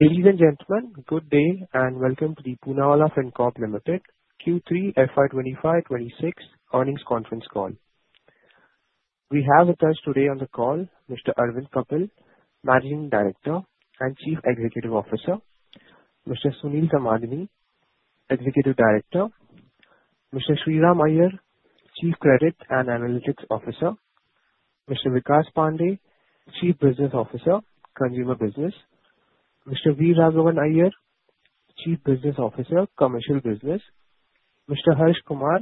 Ladies and gentlemen, good day and welcome to the Poonawalla Fincorp Limited Q3 FY25-26 earnings conference call. We have with us today on the call Mr. Arvind Kapil, Managing Director and Chief Executive Officer. Mr. Sunil Samdani, Executive Director. Mr. Sriram Iyer, Chief Credit and Analytics Officer. Mr. Vikas Pandey, Chief Business Officer, Consumer Business. Mr. V. Raghavan, Chief Business Officer, Commercial Business. Mr. Harsh Kumar,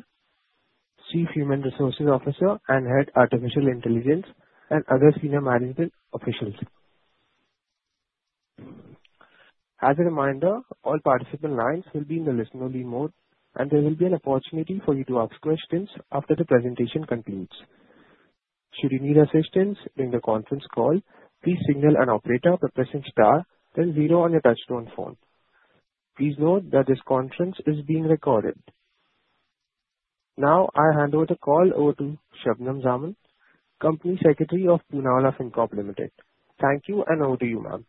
Chief Human Resources Officer and Head of Artificial Intelligence, and other senior management officials. As a reminder, all participant lines will be in the listen-only mode, and there will be an opportunity for you to ask questions after the presentation concludes. Should you need assistance during the conference call, please signal an operator by pressing star, then zero on your touch-tone phone. Please note that this conference is being recorded. Now, I hand over the call to Shabnum Zaman, Company Secretary of Poonawalla Fincorp Limited. Thank you and over to you, ma'am.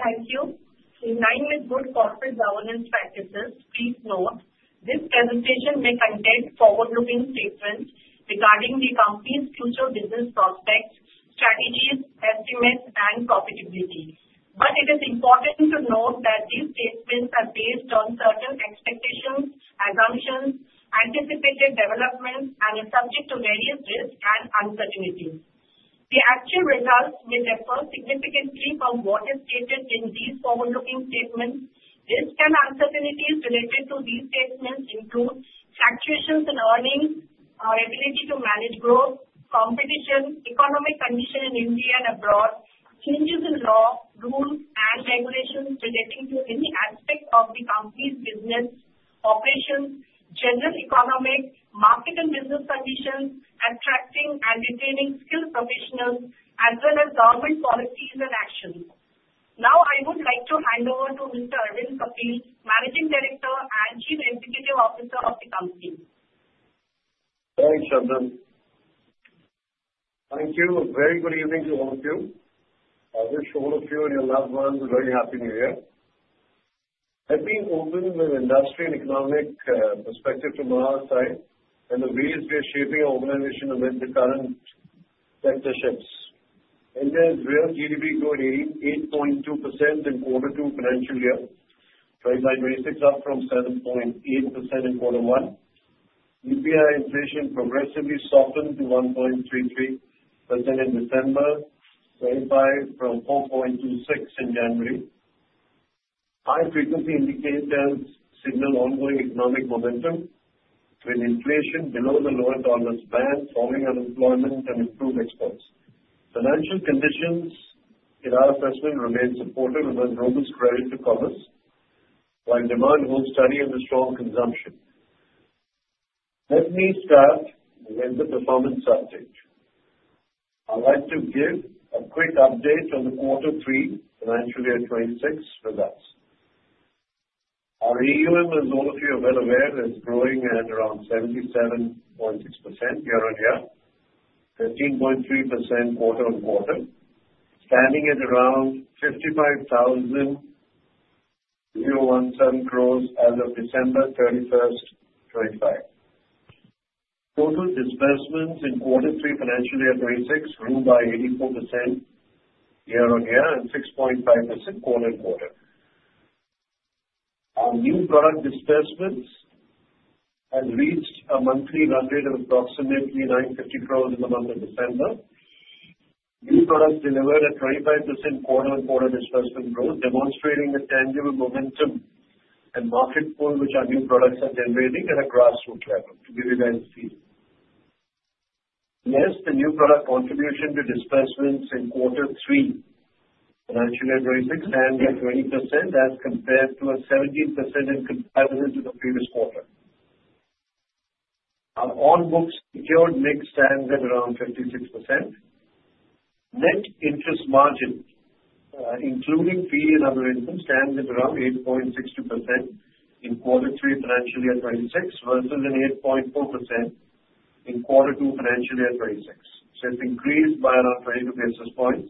Thank you. In line with good corporate governance practices, please note this presentation may contain forward-looking statements regarding the company's future business prospects, strategies, estimates, and profitability. But it is important to note that these statements are based on certain expectations, assumptions, anticipated developments, and are subject to various risks and uncertainties. The actual results may differ significantly from what is stated in these forward-looking statements. Risks and uncertainties related to these statements include fluctuations in earnings, our ability to manage growth, competition, economic conditions in India and abroad, changes in law, rules, and regulations relating to any aspect of the company's business operations, general economic, market and business conditions, attracting and retaining skilled professionals, as well as government policies and actions. Now, I would like to hand over to Mr. Arvind Kapil, Managing Director and Chief Executive Officer of the company. Thanks, Shabnam. Thank you. A very good evening to all of you. I wish all of you and your loved ones a very happy New Year. I'll open with industry and economic perspective from our side and the ways we are shaping our organization amid the current sector shifts. India's real GDP grew at 8.2% in quarter two of the financial year 2025-26 up from 7.8% in quarter one. CPI inflation progressively softened to 1.33% in December 2025 from 4.26% in January. High frequency indicators signal ongoing economic momentum with inflation below the lower tolerance band, falling unemployment and improved exports. Financial conditions in our assessment remain supportive and there's room for credit to grow while demand holds steady under strong consumption. Let me start with the performance update. I'd like to give a quick update on the quarter three financial year 2026 results. Our AUM, as all of you are well aware, is growing at around 77.6% year on year, 13.3% quarter on quarter, standing at around 55,000.017 crores as of December 31st, 2025. Total disbursements in quarter three financial year 2026 grew by 84% year on year and 6.5% quarter on quarter. Our new product disbursements have reached a monthly run rate of approximately 950 crores in the month of December. New products delivered at 25% quarter on quarter disbursement growth, demonstrating a tangible momentum and market pull which our new products are generating at a grassroots level, to give you guys a feel. Yes, the new product contribution to disbursements in quarter three financial year 2026 stands at 20% as compared to a 17% in comparison to the previous quarter. Our on-book secured mix stands at around 56%. Net interest margin, including fee and other income, stands at around 8.62% in quarter three financial year 2026 versus an 8.4% in quarter two financial year 2026. So it's increased by around 22 basis points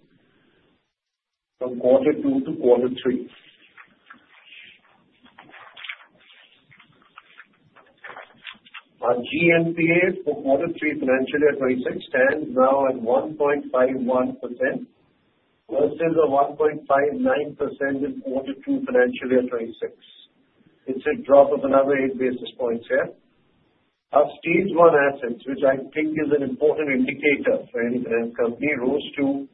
from quarter two to quarter three. Our GNPA for quarter three financial year 2026 stands now at 1.51% versus a 1.59% in quarter two financial year 2026. It's a drop of another eight basis points here. Our Stage 1 assets, which I think is an important indicator for any brand company, rose to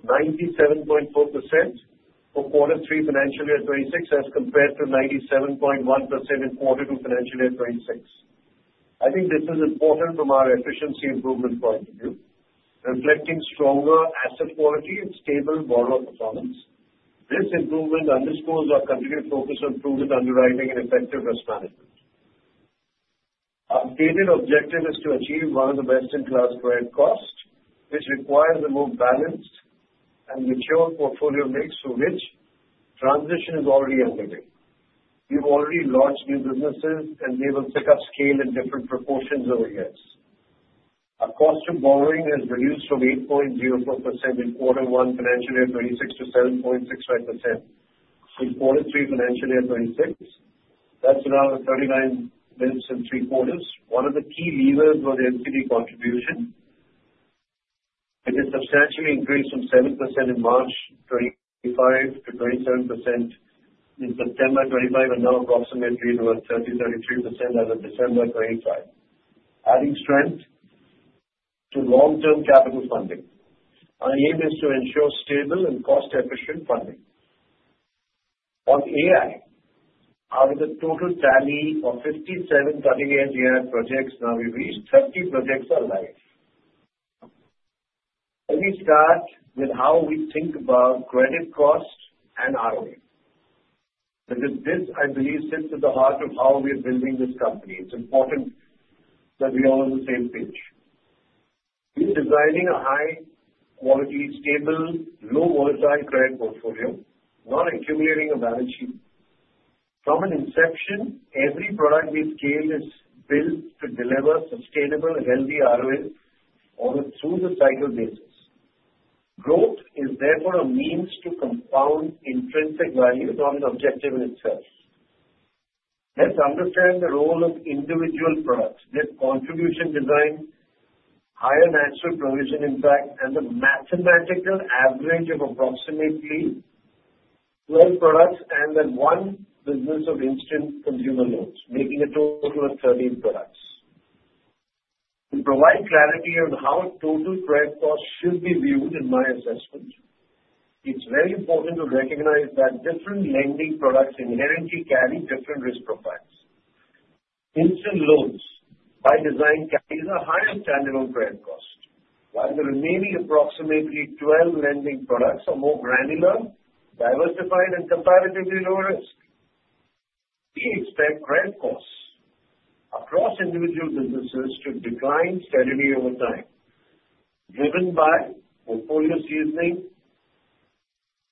97.4% for quarter three financial year 2026 as compared to 97.1% in quarter two financial year 2026. I think this is important from our efficiency improvement point of view, reflecting stronger asset quality and stable borrower performance. This improvement underscores our continued focus on improvement, underwriting, and effective risk management. Our stated objective is to achieve one of the best-in-class credit costs, which requires a more balanced and mature portfolio mix for which transition is already underway. We've already launched new businesses, and they will pick up scale in different proportions over the years. Our cost of borrowing has reduced from 8.04% in quarter one financial year 2026 to 7.65% in quarter three financial year 2026. That's around 39 basis points in three quarters. One of the key levers was the NCD contribution. It has substantially increased from 7% in March 2025 to 27% in September 2025, and now approximately to about 30-33% as of December 2025. Adding strength to long-term capital funding. Our aim is to ensure stable and cost-efficient funding. On AI, out of the total tally of 57 cutting-edge AI projects now, we've reached 30 projects live. Let me start with how we think about credit cost and ROE, because this, I believe, sits at the heart of how we are building this company. It's important that we are all on the same page. We are designing a high-quality, stable, low-volatile credit portfolio, not accumulating a balance sheet. From inception, every product we scale is built to deliver sustainable, healthy ROE over a two-to-cycle basis. Growth is therefore a means to compound intrinsic value, not an objective in itself. Let's understand the role of individual products. This contribution design, higher natural provision impact, and the mathematical average of approximately 12 products and then one business of instant consumer loans, making a total of 13 products. To provide clarity on how total credit cost should be viewed in my assessment, it's very important to recognize that different lending products inherently carry different risk profiles. Instant loans, by design, carry a higher standard on credit cost, while the remaining approximately 12 lending products are more granular, diversified, and comparatively lower risk. We expect credit costs across individual businesses to decline steadily over time, driven by portfolio seasoning,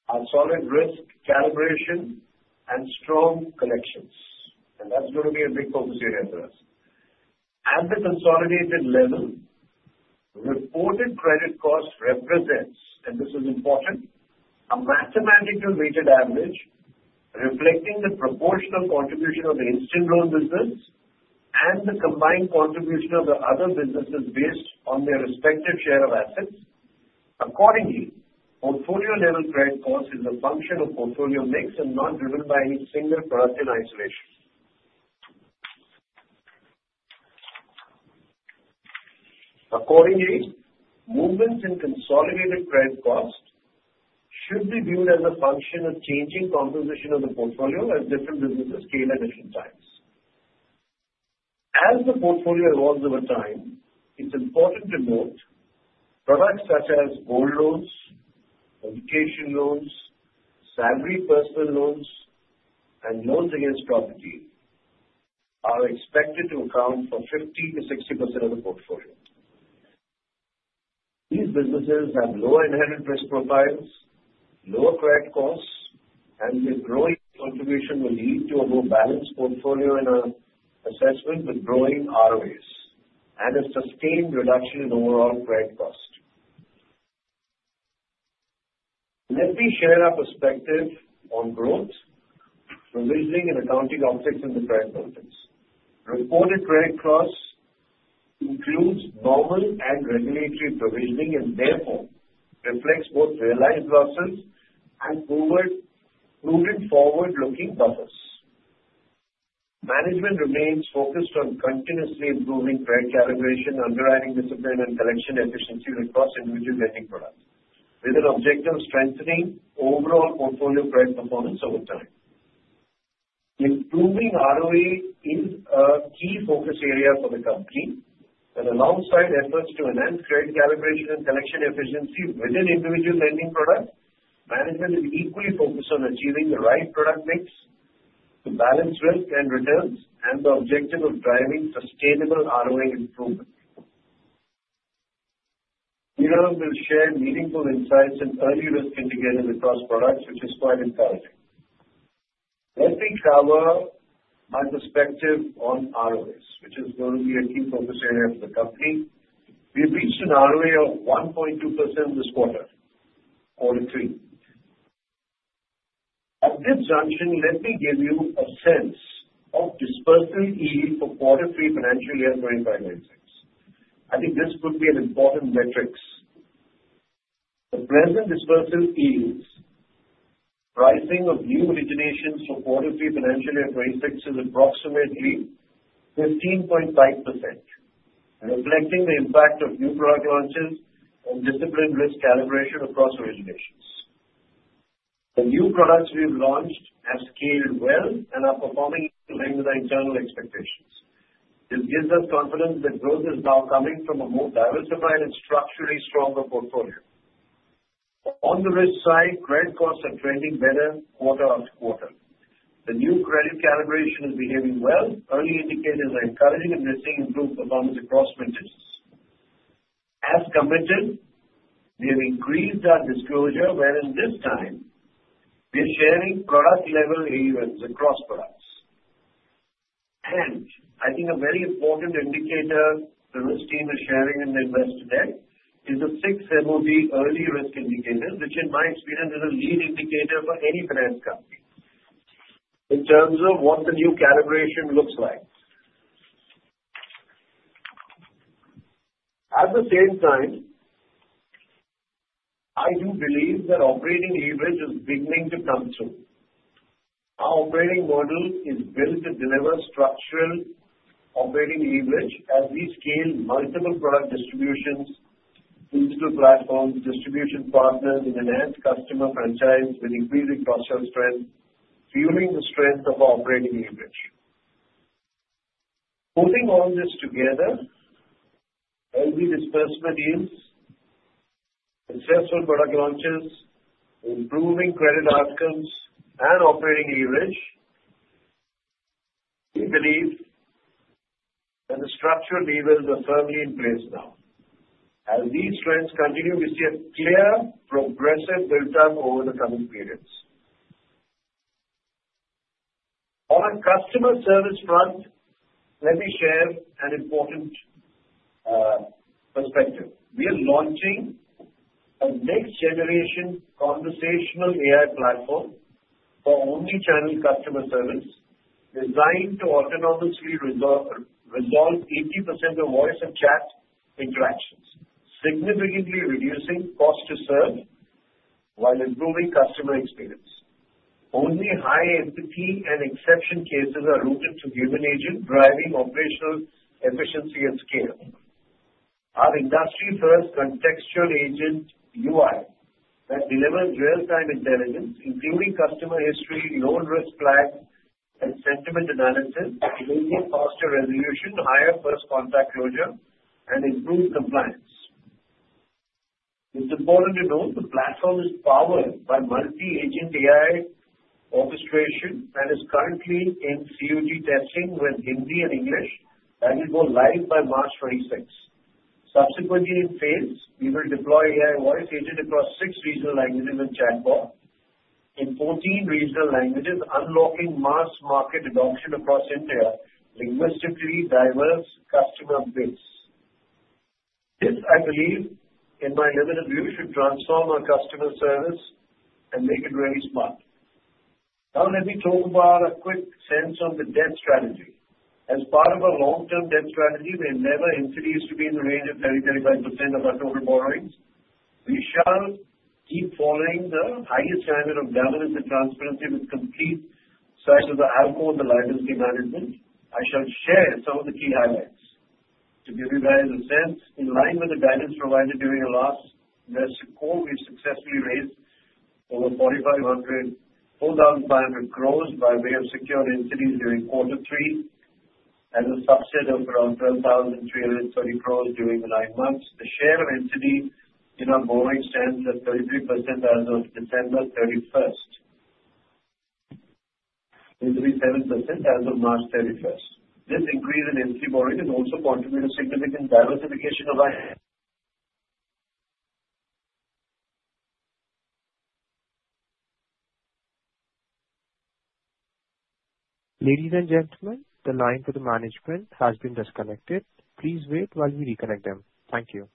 our solid risk calibration, and strong collections, and that's going to be a big focus area for us. At the consolidated level, reported credit cost represents, and this is important, a mathematical weighted average reflecting the proportional contribution of the instant loan business and the combined contribution of the other businesses based on their respective share of assets. Accordingly, portfolio-level credit cost is a function of portfolio mix and not driven by any single product in isolation. Accordingly, movements in consolidated credit cost should be viewed as a function of changing composition of the portfolio as different businesses scale at different times. As the portfolio evolves over time, it's important to note products such as gold loans, education loans, salary personal loans, and loans against property are expected to account for 50%-60% of the portfolio. These businesses have lower inherent risk profiles, lower credit costs, and their growing contribution will lead to a more balanced portfolio in our assessment with growing ROEs and a sustained reduction in overall credit cost. Let me share our perspective on growth, provisioning, and accounting optics in the credit context. Reported credit cost includes normal and regulatory provisioning and therefore reflects both realized losses and proven forward-looking buffers. Management remains focused on continuously improving credit calibration, underwriting discipline, and collection efficiencies across individual lending products, with an objective of strengthening overall portfolio credit performance over time. Improving ROE is a key focus area for the company, and alongside efforts to enhance credit calibration and collection efficiency within individual lending products, management is equally focused on achieving the right product mix to balance risk and returns and the objective of driving sustainable ROE improvement. We will share meaningful insights and early risk indicators across products, which is quite encouraging. Let me cover my perspective on ROEs, which is going to be a key focus area for the company. We've reached an ROE of 1.2% this quarter, quarter three. At this juncture, let me give you a sense of disbursement yield for quarter three financial year 2026. I think this could be an important metric. The present disbursement yields, pricing of new originations for quarter three financial year 2026, is approximately 15.5%, reflecting the impact of new product launches and disciplined risk calibration across originations. The new products we've launched have scaled well and are performing even with our internal expectations. This gives us confidence that growth is now coming from a more diversified and structurally stronger portfolio. On the risk side, credit costs are trending better quarter after quarter. The new credit calibration is behaving well. Early indicators are encouraging, and we're seeing improved performance across franchises. As committed, we have increased our disclosure, wherein this time we're sharing product-level AUMs across products, and I think a very important indicator the risk team is sharing in the investor deck is the sixth MOB, early risk indicator, which in my experience is a lead indicator for any finance company in terms of what the new calibration looks like. At the same time, I do believe that operating leverage is beginning to come through. Our operating model is built to deliver structural operating leverage as we scale multiple product distributions, digital platforms, distribution partners, and enhanced customer franchise with increasing cross-sell strength, fueling the strength of our operating leverage. Putting all this together, early disbursement yields, successful product launches, improving credit outcomes, and operating leverage, we believe that the structural levers are firmly in place now. As these trends continue, we see a clear progressive build-up over the coming periods. On a customer service front, let me share an important perspective. We are launching a next-generation conversational AI platform for omnichannel customer service designed to autonomously resolve 80% of voice and chat interactions, significantly reducing cost to serve while improving customer experience. Only high-entity and exception cases are routed to human agent, driving operational efficiency and scale. Our industry-first contextual agent UI that delivers real-time intelligence, including customer history, loan risk flags, and sentiment analysis, enabling faster resolution, higher first-contact closure, and improved compliance. It's important to note the platform is powered by multi-agent AI orchestration and is currently in COG testing with Hindi and English. That will go live by March 26. Subsequently, in phase, we will deploy AI voice agent across six regional languages and chatbot in 14 regional languages, unlocking mass market adoption across India, linguistically diverse customer base. This, I believe, in my limited view, should transform our customer service and make it really smart. Now, let me talk about a quick sense on the debt strategy. As part of our long-term debt strategy, we endeavor increase to be in the range of 30%-35% of our total borrowings. We shall keep following the highest standard of governance and transparency with complete disclosure of the outcome of the liability management. I shall share some of the key highlights to give you guys a sense. In line with the guidance provided during our last investor call, we've successfully raised over 4,500 crores by way of secured NCDs during quarter three and a total of around 12,330 crores during the nine months. The share of NCD in our borrowing stands at 33% as of December 31st, increased 7% as of March 31st. This increase in NCD borrowing is also contributing to significant diversification of our... Ladies and gentlemen, the line for the management has been disconnected. Please wait while we reconnect them. Thank you.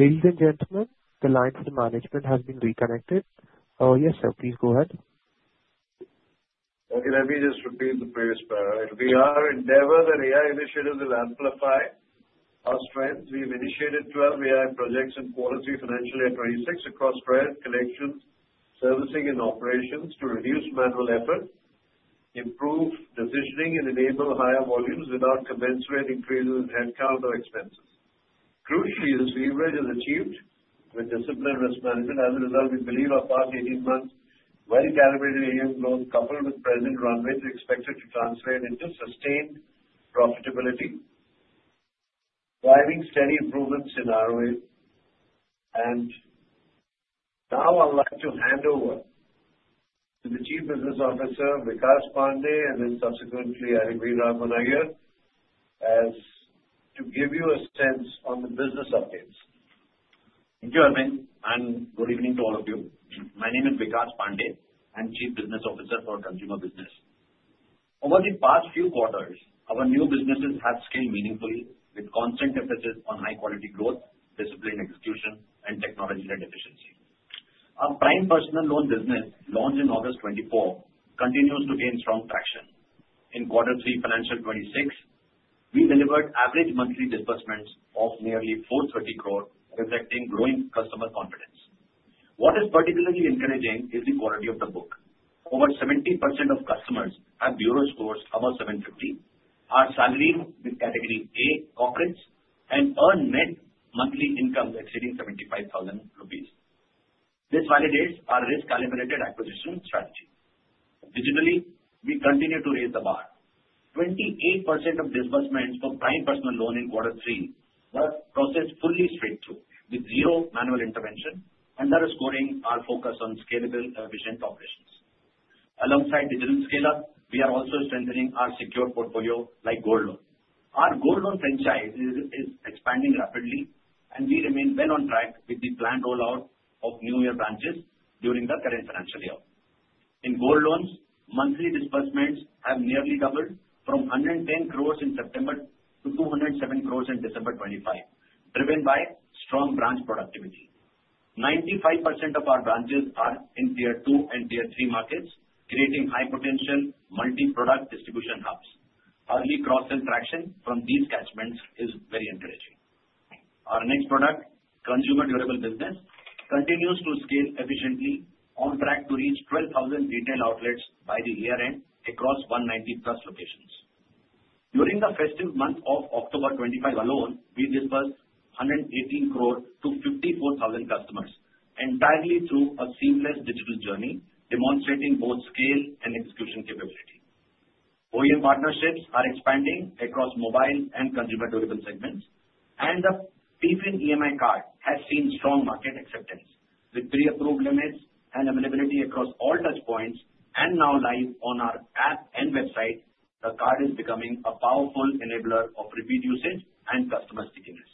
Ladies and gentlemen, the line for the management has been reconnected. Yes, sir, please go ahead. Okay, let me just repeat the previous point. Our endeavor is that AI initiatives will amplify our strength. We've initiated 12 AI projects in quarter three financial year 2026 across credit, collections, servicing, and operations to reduce manual effort, improve decisioning, and enable higher volumes without commensurate increases in headcount or expenses. Crucially, this leverage is achieved with disciplined risk management. As a result, we believe our past 18 months' well-calibrated AUM growth, coupled with present runways, are expected to translate into sustained profitability, driving steady improvements in ROE. Now I'd like to hand over to the Chief Business Officer, Vikas Pandey, and then subsequently V. Raghavan to give you a sense on the business updates. Thank you, Almin. Good evening to all of you. My name is Vikas Pandey. I'm Chief Business Officer for Consumer Business. Over the past few quarters, our new businesses have scaled meaningfully with constant emphasis on high-quality growth, discipline execution, and technology-led efficiency. Our prime personal loan business, launched in August 2024, continues to gain strong traction. In quarter three financial 2026, we delivered average monthly disbursements of nearly 430 crore, reflecting growing customer confidence. What is particularly encouraging is the quality of the book. Over 70% of customers have bureau scores above 750, are salaried with category A corporates, and earn net monthly income exceeding ₹75,000. This validates our risk-calibrated acquisition strategy. Digitally, we continue to raise the bar. 28% of disbursements for prime personal loan in quarter three were processed fully straight through with zero manual intervention, and our scoring is focused on scalable and efficient operations. Alongside digital scale-up, we are also strengthening our secure portfolio like gold loan. Our gold loan franchise is expanding rapidly, and we remain well on track with the planned rollout of new year branches during the current financial year. In gold loans, monthly disbursements have nearly doubled from 110 crores in September to 207 crores in December 2025, driven by strong branch productivity. 95% of our branches are in tier two and tier three markets, creating high-potential multi-product distribution hubs. Early cross-sell traction from these catchments is very encouraging. Our next product, Consumer Durable Business, continues to scale efficiently, on track to reach 12,000 retail outlets by the year end across 190-plus locations. During the festive month of October 2025 alone, we disbursed 118 crore to 54,000 customers entirely through a seamless digital journey, demonstrating both scale and execution capability. OEM partnerships are expanding across mobile and consumer durable segments, and the PFIN EMI card has seen strong market acceptance. With pre-approved limits and availability across all touchpoints and now live on our app and website, the card is becoming a powerful enabler of repeat usage and customer stickiness.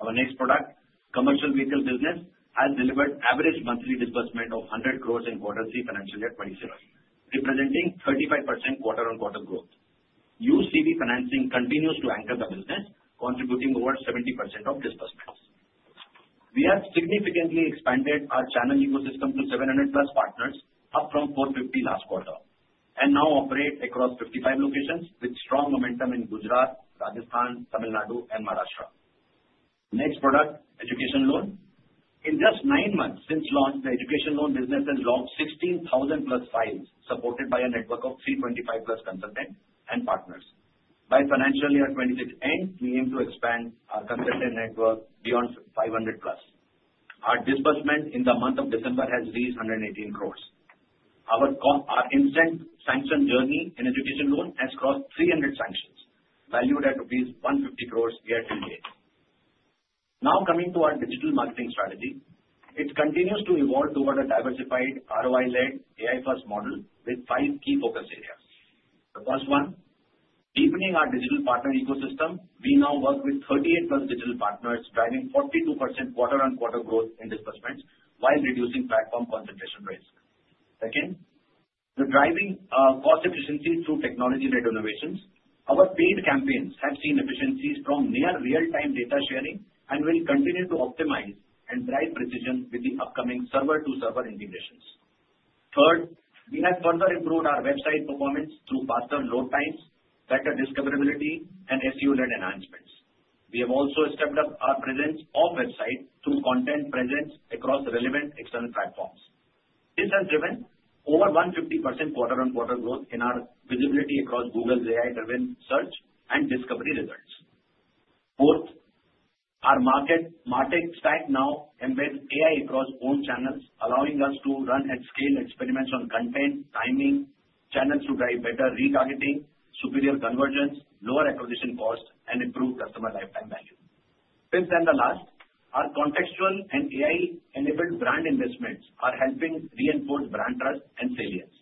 Our next product, Commercial Vehicle Business, has delivered average monthly disbursement of 100 crores in quarter three financial year 2026, representing 35% quarter-on-quarter growth. UCV Financing continues to anchor the business, contributing over 70% of disbursements. We have significantly expanded our channel ecosystem to 700-plus partners, up from 450 last quarter, and now operate across 55 locations with strong momentum in Gujarat, Rajasthan, Tamil Nadu, and Maharashtra. Next product, Education Loan. In just nine months since launch, the education loan business has logged 16,000-plus files supported by a network of 325-plus consultants and partners. By financial year 2026 end, we aim to expand our consultant network beyond 500-plus. Our disbursement in the month of December has reached 118 crores. Our instant sanction journey in education loan has crossed 300 sanctions, valued at rupees 150 crores year-to-date. Now coming to our digital marketing strategy, it continues to evolve toward a diversified ROI-led AI-first model with five key focus areas. The first one, deepening our digital partner ecosystem. We now work with 38-plus digital partners, driving 42% quarter-on-quarter growth in disbursements while reducing platform concentration risk. Second, driving cost efficiency through technology-led innovations. Our paid campaigns have seen efficiencies from near real-time data sharing and will continue to optimize and drive precision with the upcoming server-to-server integrations. Third, we have further improved our website performance through faster load times, better discoverability, and SEO-led enhancements. We have also stepped up our presence off website through content presence across relevant external platforms. This has driven over 150% quarter-on-quarter growth in our visibility across Google's AI-driven search and discovery results. Fourth, our market stack now embeds AI across own channels, allowing us to run and scale experiments on content, timing, channels to drive better retargeting, superior convergence, lower acquisition cost, and improved customer lifetime value. Fifth and the last, our contextual and AI-enabled brand investments are helping reinforce brand trust and salience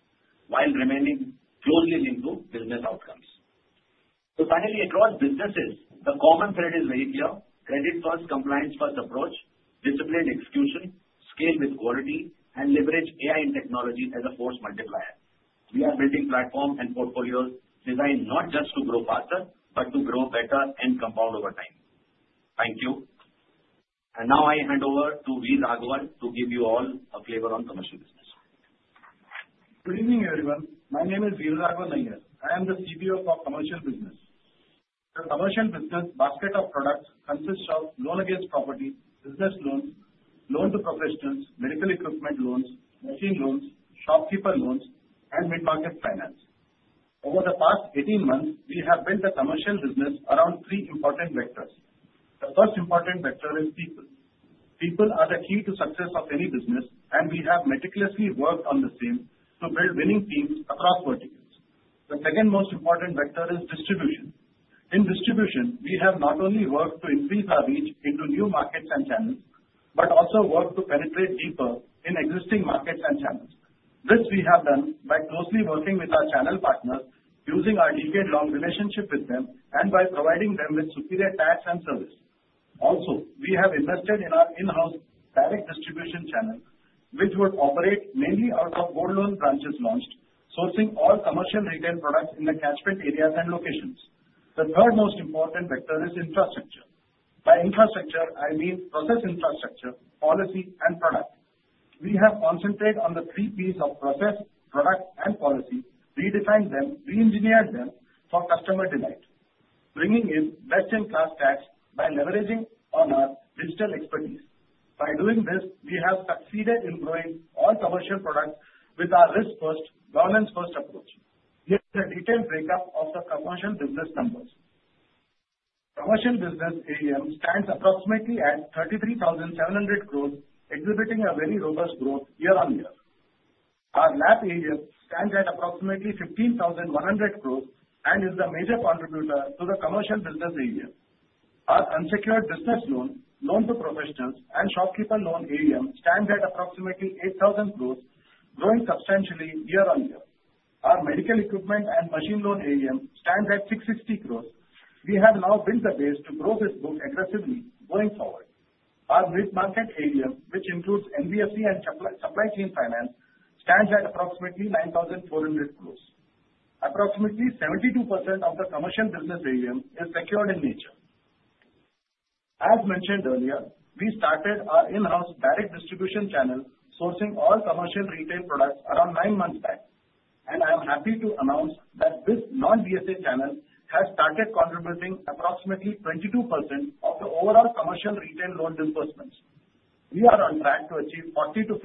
while remaining closely linked to business outcomes. So finally, across businesses, the common thread is very clear: credit-first, compliance-first approach, discipline execution, scale with quality, and leverage AI and technology as a force multiplier. We are building platforms and portfolios designed not just to grow faster, but to grow better and compound over time. Thank you. And now I hand over to V. Raghavan to give you all a flavor on commercial business. Good evening, everyone. My name is V. Raghavan. I am the CPO for Commercial Business. The Commercial Business basket of products consists of Loan Against Property, Business Loans, Loan to Professionals, Medical Equipment Loans, Machine Loans, Shopkeeper Loans, and Mid-Market Finance. Over the past 18 months, we have built the commercial business around three important vectors. The first important vector is people. People are the key to success of any business, and we have meticulously worked on the same to build winning teams across verticals. The second most important vector is distribution. In distribution, we have not only worked to increase our reach into new markets and channels, but also worked to penetrate deeper in existing markets and channels. This we have done by closely working with our channel partners, using our decade-long relationship with them, and by providing them with superior tack and service. Also, we have invested in our in-house direct distribution channel, which would operate mainly out of gold loan branches launched, sourcing all commercial retail products in the catchment areas and locations. The third most important vector is infrastructure. By infrastructure, I mean process infrastructure, policy, and product. We have concentrated on the three P's of process, product, and policy, redefined them, re-engineered them for customer delight, bringing in best-in-class tags by leveraging our digital expertise. By doing this, we have succeeded in growing all commercial products with our risk-first, governance-first approach. Here's a detailed breakup of the commercial business numbers. Commercial business AUM stands approximately at 33,700 crore, exhibiting a very robust growth year-on-year. Our LAP AUM stands at approximately 15,100 crore and is the major contributor to the commercial business AUM. Our unsecured business loan, loans to professionals, and shopkeeper loan AUM stands at approximately 8,000 crore, growing substantially year-on-year. Our medical equipment and machine loan AUM stands at 660 crore. We have now built the base to grow this book aggressively going forward. Our mid-market AUM, which includes NBFC and supply chain finance, stands at approximately 9,400 crore. Approximately 72% of the commercial business AUM is secured in nature. As mentioned earlier, we started our in-house direct distribution channel, sourcing all commercial retail products around nine months back, and I am happy to announce that this non-VSA channel has started contributing approximately 22% of the overall commercial retail loan disbursements. We are on track to achieve 40%-50%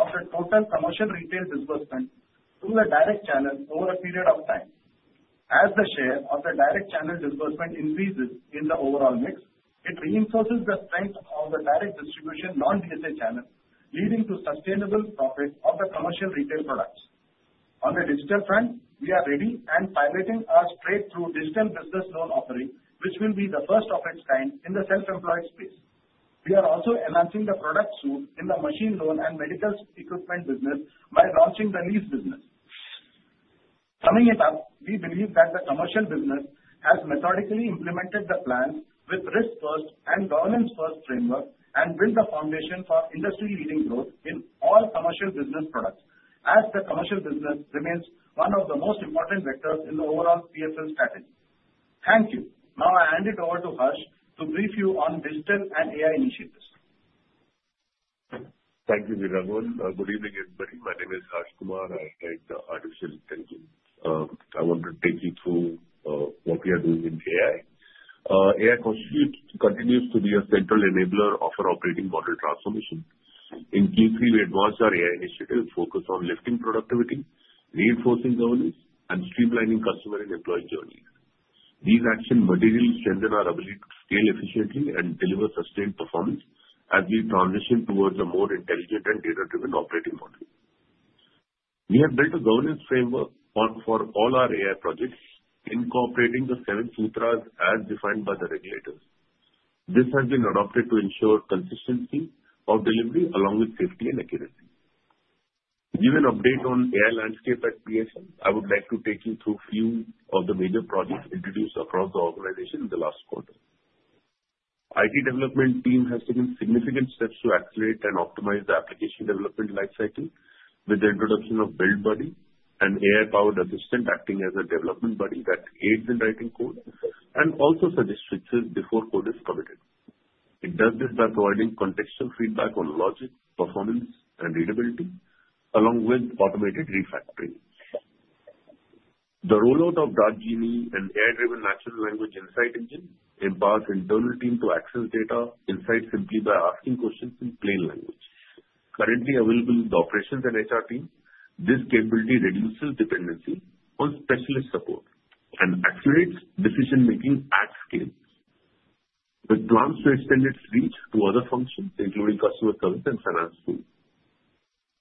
of the total commercial retail disbursement through the direct channel over a period of time. As the share of the direct channel disbursement increases in the overall mix, it reinforces the strength of the direct distribution non-VSA channel, leading to sustainable profits of the commercial retail products. On the digital front, we are ready and piloting our straight-through digital business loan offering, which will be the first of its kind in the self-employed space. We are also enhancing the product suite in the machine loan and medical equipment business by launching the lease business. Summing it up, we believe that the commercial business has methodically implemented the plans with risk-first and governance-first framework and built the foundation for industry-leading growth in all commercial business products, as the commercial business remains one of the most important vectors in the overall PFL strategy. Thank you. Now I hand it over to Harsh to brief you on digital and AI initiatives. Thank you, V. Raghavan. Good evening, everybody. My name is Harsh Kumar. I'm Head of Artificial Intelligence. I want to take you through what we are doing in AI. AI continues to be a central enabler of our operating model transformation. In Q3, we advanced our AI initiative, focused on lifting productivity, reinforcing governance, and streamlining customer and employee journeys. These action materials strengthen our ability to scale efficiently and deliver sustained performance as we transition towards a more intelligent and data-driven operating model. We have built a governance framework for all our AI projects, incorporating the Seven Sutras as defined by the regulators. This has been adopted to ensure consistency of delivery along with safety and accuracy. Given update on AI landscape at PSM, I would like to take you through a few of the major projects introduced across the organization in the last quarter. The IT development team has taken significant steps to accelerate and optimize the application development lifecycle with the introduction of Build Buddy, an AI-powered assistant acting as a development buddy that aids in writing code and also suggests fixes before code is committed. It does this by providing contextual feedback on logic, performance, and readability, along with automated refactoring. The rollout of Dart Genie, an AI-driven natural language insight engine empowers the internal team to access data insight simply by asking questions in plain language. Currently available in the operations and HR team, this capability reduces dependency on specialist support and accelerates decision-making at scale, with plans to extend its reach to other functions, including customer service and finance too.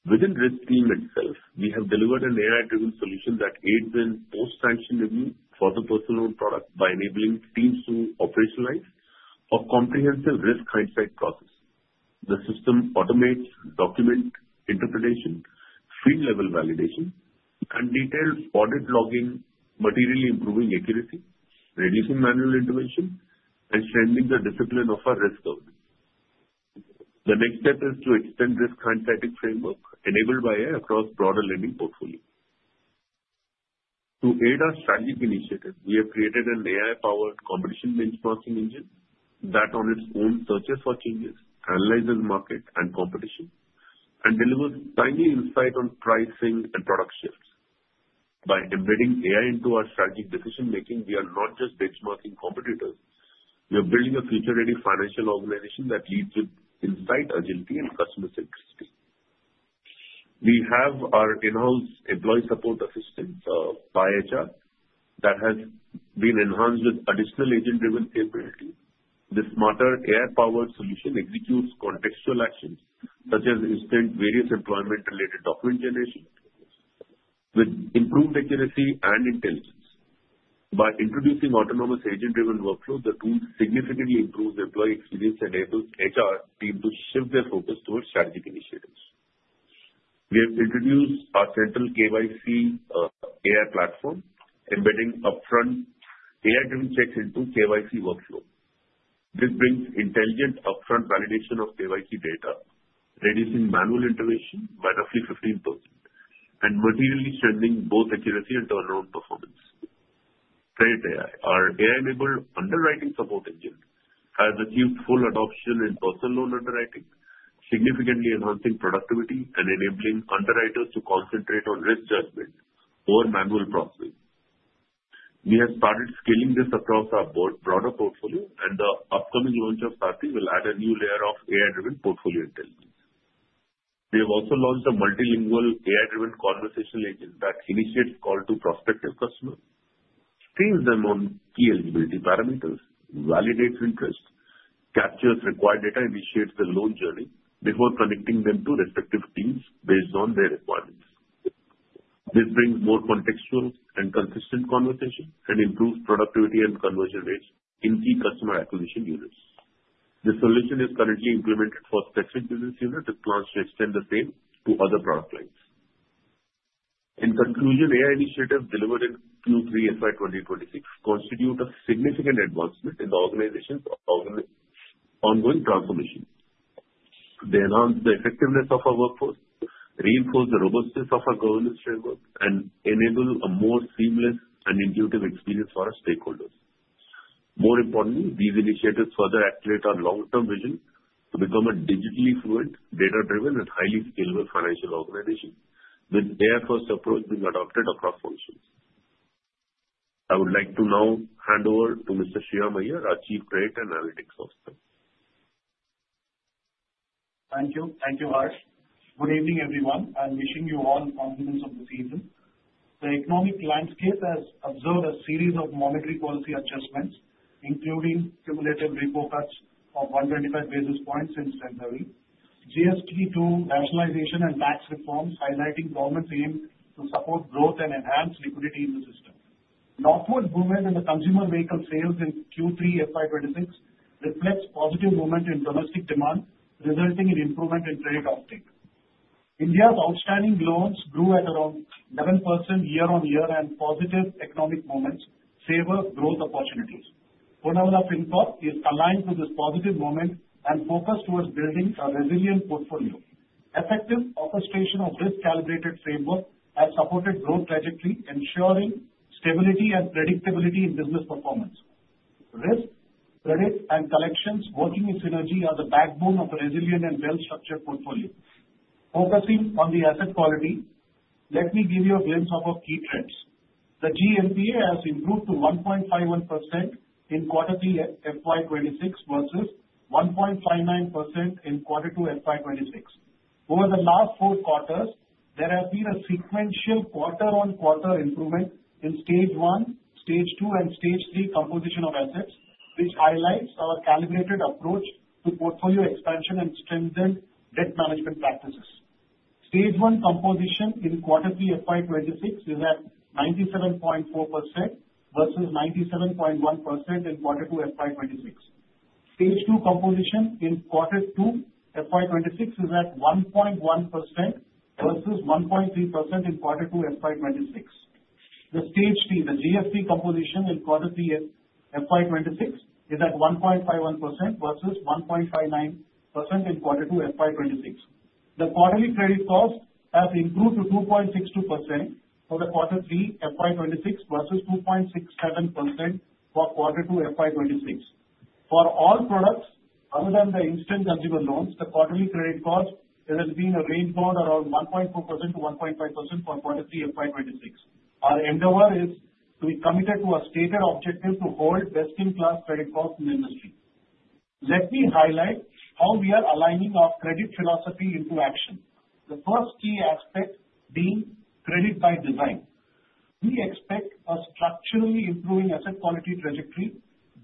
Within the risk team itself, we have delivered an AI-driven solution that aids in post-sanction review for the personal product by enabling teams to operationalize a comprehensive risk hindsight process. The system automates document interpretation, field-level validation, and detailed audit logging, materially improving accuracy, reducing manual intervention, and strengthening the discipline of our risk governance. The next step is to extend the risk hindsight framework enabled by AI across broader lending portfolios. To aid our strategic initiative, we have created an AI-powered competition benchmarking engine that, on its own, searches for changes, analyzes market and competition, and delivers timely insight on pricing and product shifts. By embedding AI into our strategic decision-making, we are not just benchmarking competitors. We are building a future-ready financial organization that leads with insight, agility, and customer centricity. We have our in-house employee support assistance by HR that has been enhanced with additional agent-driven capability. This smarter AI-powered solution executes contextual actions such as instant various employment-related document generation with improved accuracy and intelligence. By introducing autonomous agent-driven workflows, the tool significantly improves employee experience and enables HR teams to shift their focus towards strategic initiatives. We have introduced our central KYC AI platform, embedding upfront AI-driven checks into KYC workflow. This brings intelligent upfront validation of KYC data, reducing manual intervention by roughly 15% and materially strengthening both accuracy and turnaround performance. Credit AI, our AI-enabled underwriting support engine, has achieved full adoption in personal loan underwriting, significantly enhancing productivity and enabling underwriters to concentrate on risk judgment or manual processing. We have started scaling this across our broader portfolio, and the upcoming launch of SARC will add a new layer of AI-driven portfolio intelligence. We have also launched a multilingual AI-driven conversational agent that initiates calls to prospective customers, screens them on key eligibility parameters, validates interest, captures required data, and initiates the loan journey before connecting them to respective teams based on their requirements. This brings more contextual and consistent conversation and improves productivity and conversion rates in key customer acquisition units. The solution is currently implemented for specific business units with plans to extend the same to other product lines. In conclusion, AI initiatives delivered in Q3 FY 2026 constitute a significant advancement in the organization's ongoing transformation. They enhance the effectiveness of our workforce, reinforce the robustness of our governance framework, and enable a more seamless and intuitive experience for our stakeholders. More importantly, these initiatives further activate our long-term vision to become a digitally fluent, data-driven, and highly scalable financial organization, with AI-first approach being adopted across functions. I would like to now hand over to Mr. Sriram Iyer, our Chief Credit and Analytics Officer. Thank you. Thank you, Harsh. Good evening, everyone. I'm wishing you all compliments of the season. The economic landscape has observed a series of monetary policy adjustments, including cumulative repo cuts of 125 basis points since January, GST2 rationalization, and tax reforms highlighting government aim to support growth and enhance liquidity in the system. Northward movement in the consumer vehicle sales in Q3 FY 26 reflects positive movement in domestic demand, resulting in improvement in trade uptake. India's outstanding loans grew at around 11% year-on-year, and positive economic momentum favor growth opportunities. Poonawalla Fincorp is aligned to this positive momentum and focused towards building a resilient portfolio. Effective orchestration of risk-calibrated framework has supported growth trajectory, ensuring stability and predictability in business performance. Risk, credit, and collections working in synergy are the backbone of a resilient and well-structured portfolio. Focusing on the asset quality, let me give you a glimpse of our key trends. The GNPA has improved to 1.51% in quarter 3 FY 26 versus 1.59% in quarter 2 FY 26. Over the last four quarters, there has been a sequential quarter-on-quarter improvement in stage 1, stage 2, and stage 3 composition of assets, which highlights our calibrated approach to portfolio expansion and strengthened debt management practices. Stage 1 composition in quarter 3 FY 26 is at 97.4% versus 97.1% in quarter 2 FY 26. Stage 2 composition in quarter 3 FY 26 is at 1.1% versus 1.3% in quarter 2 FY 26. The Stage 3 composition in quarter 3 FY 26 is at 1.51% versus 1.59% in quarter 2 FY 26. The quarterly credit cost has improved to 2.62% for the quarter 3 FY 26 versus 2.67% for quarter 2 FY 26. For all products other than the instant consumer loans, the quarterly credit cost has been arranged for around 1.4%-1.5% for quarter 3 FY 26. Our endeavor is to be committed to a stated objective to hold best-in-class credit costs in the industry. Let me highlight how we are aligning our credit philosophy into action. The first key aspect being credit by design. We expect a structurally improving asset quality trajectory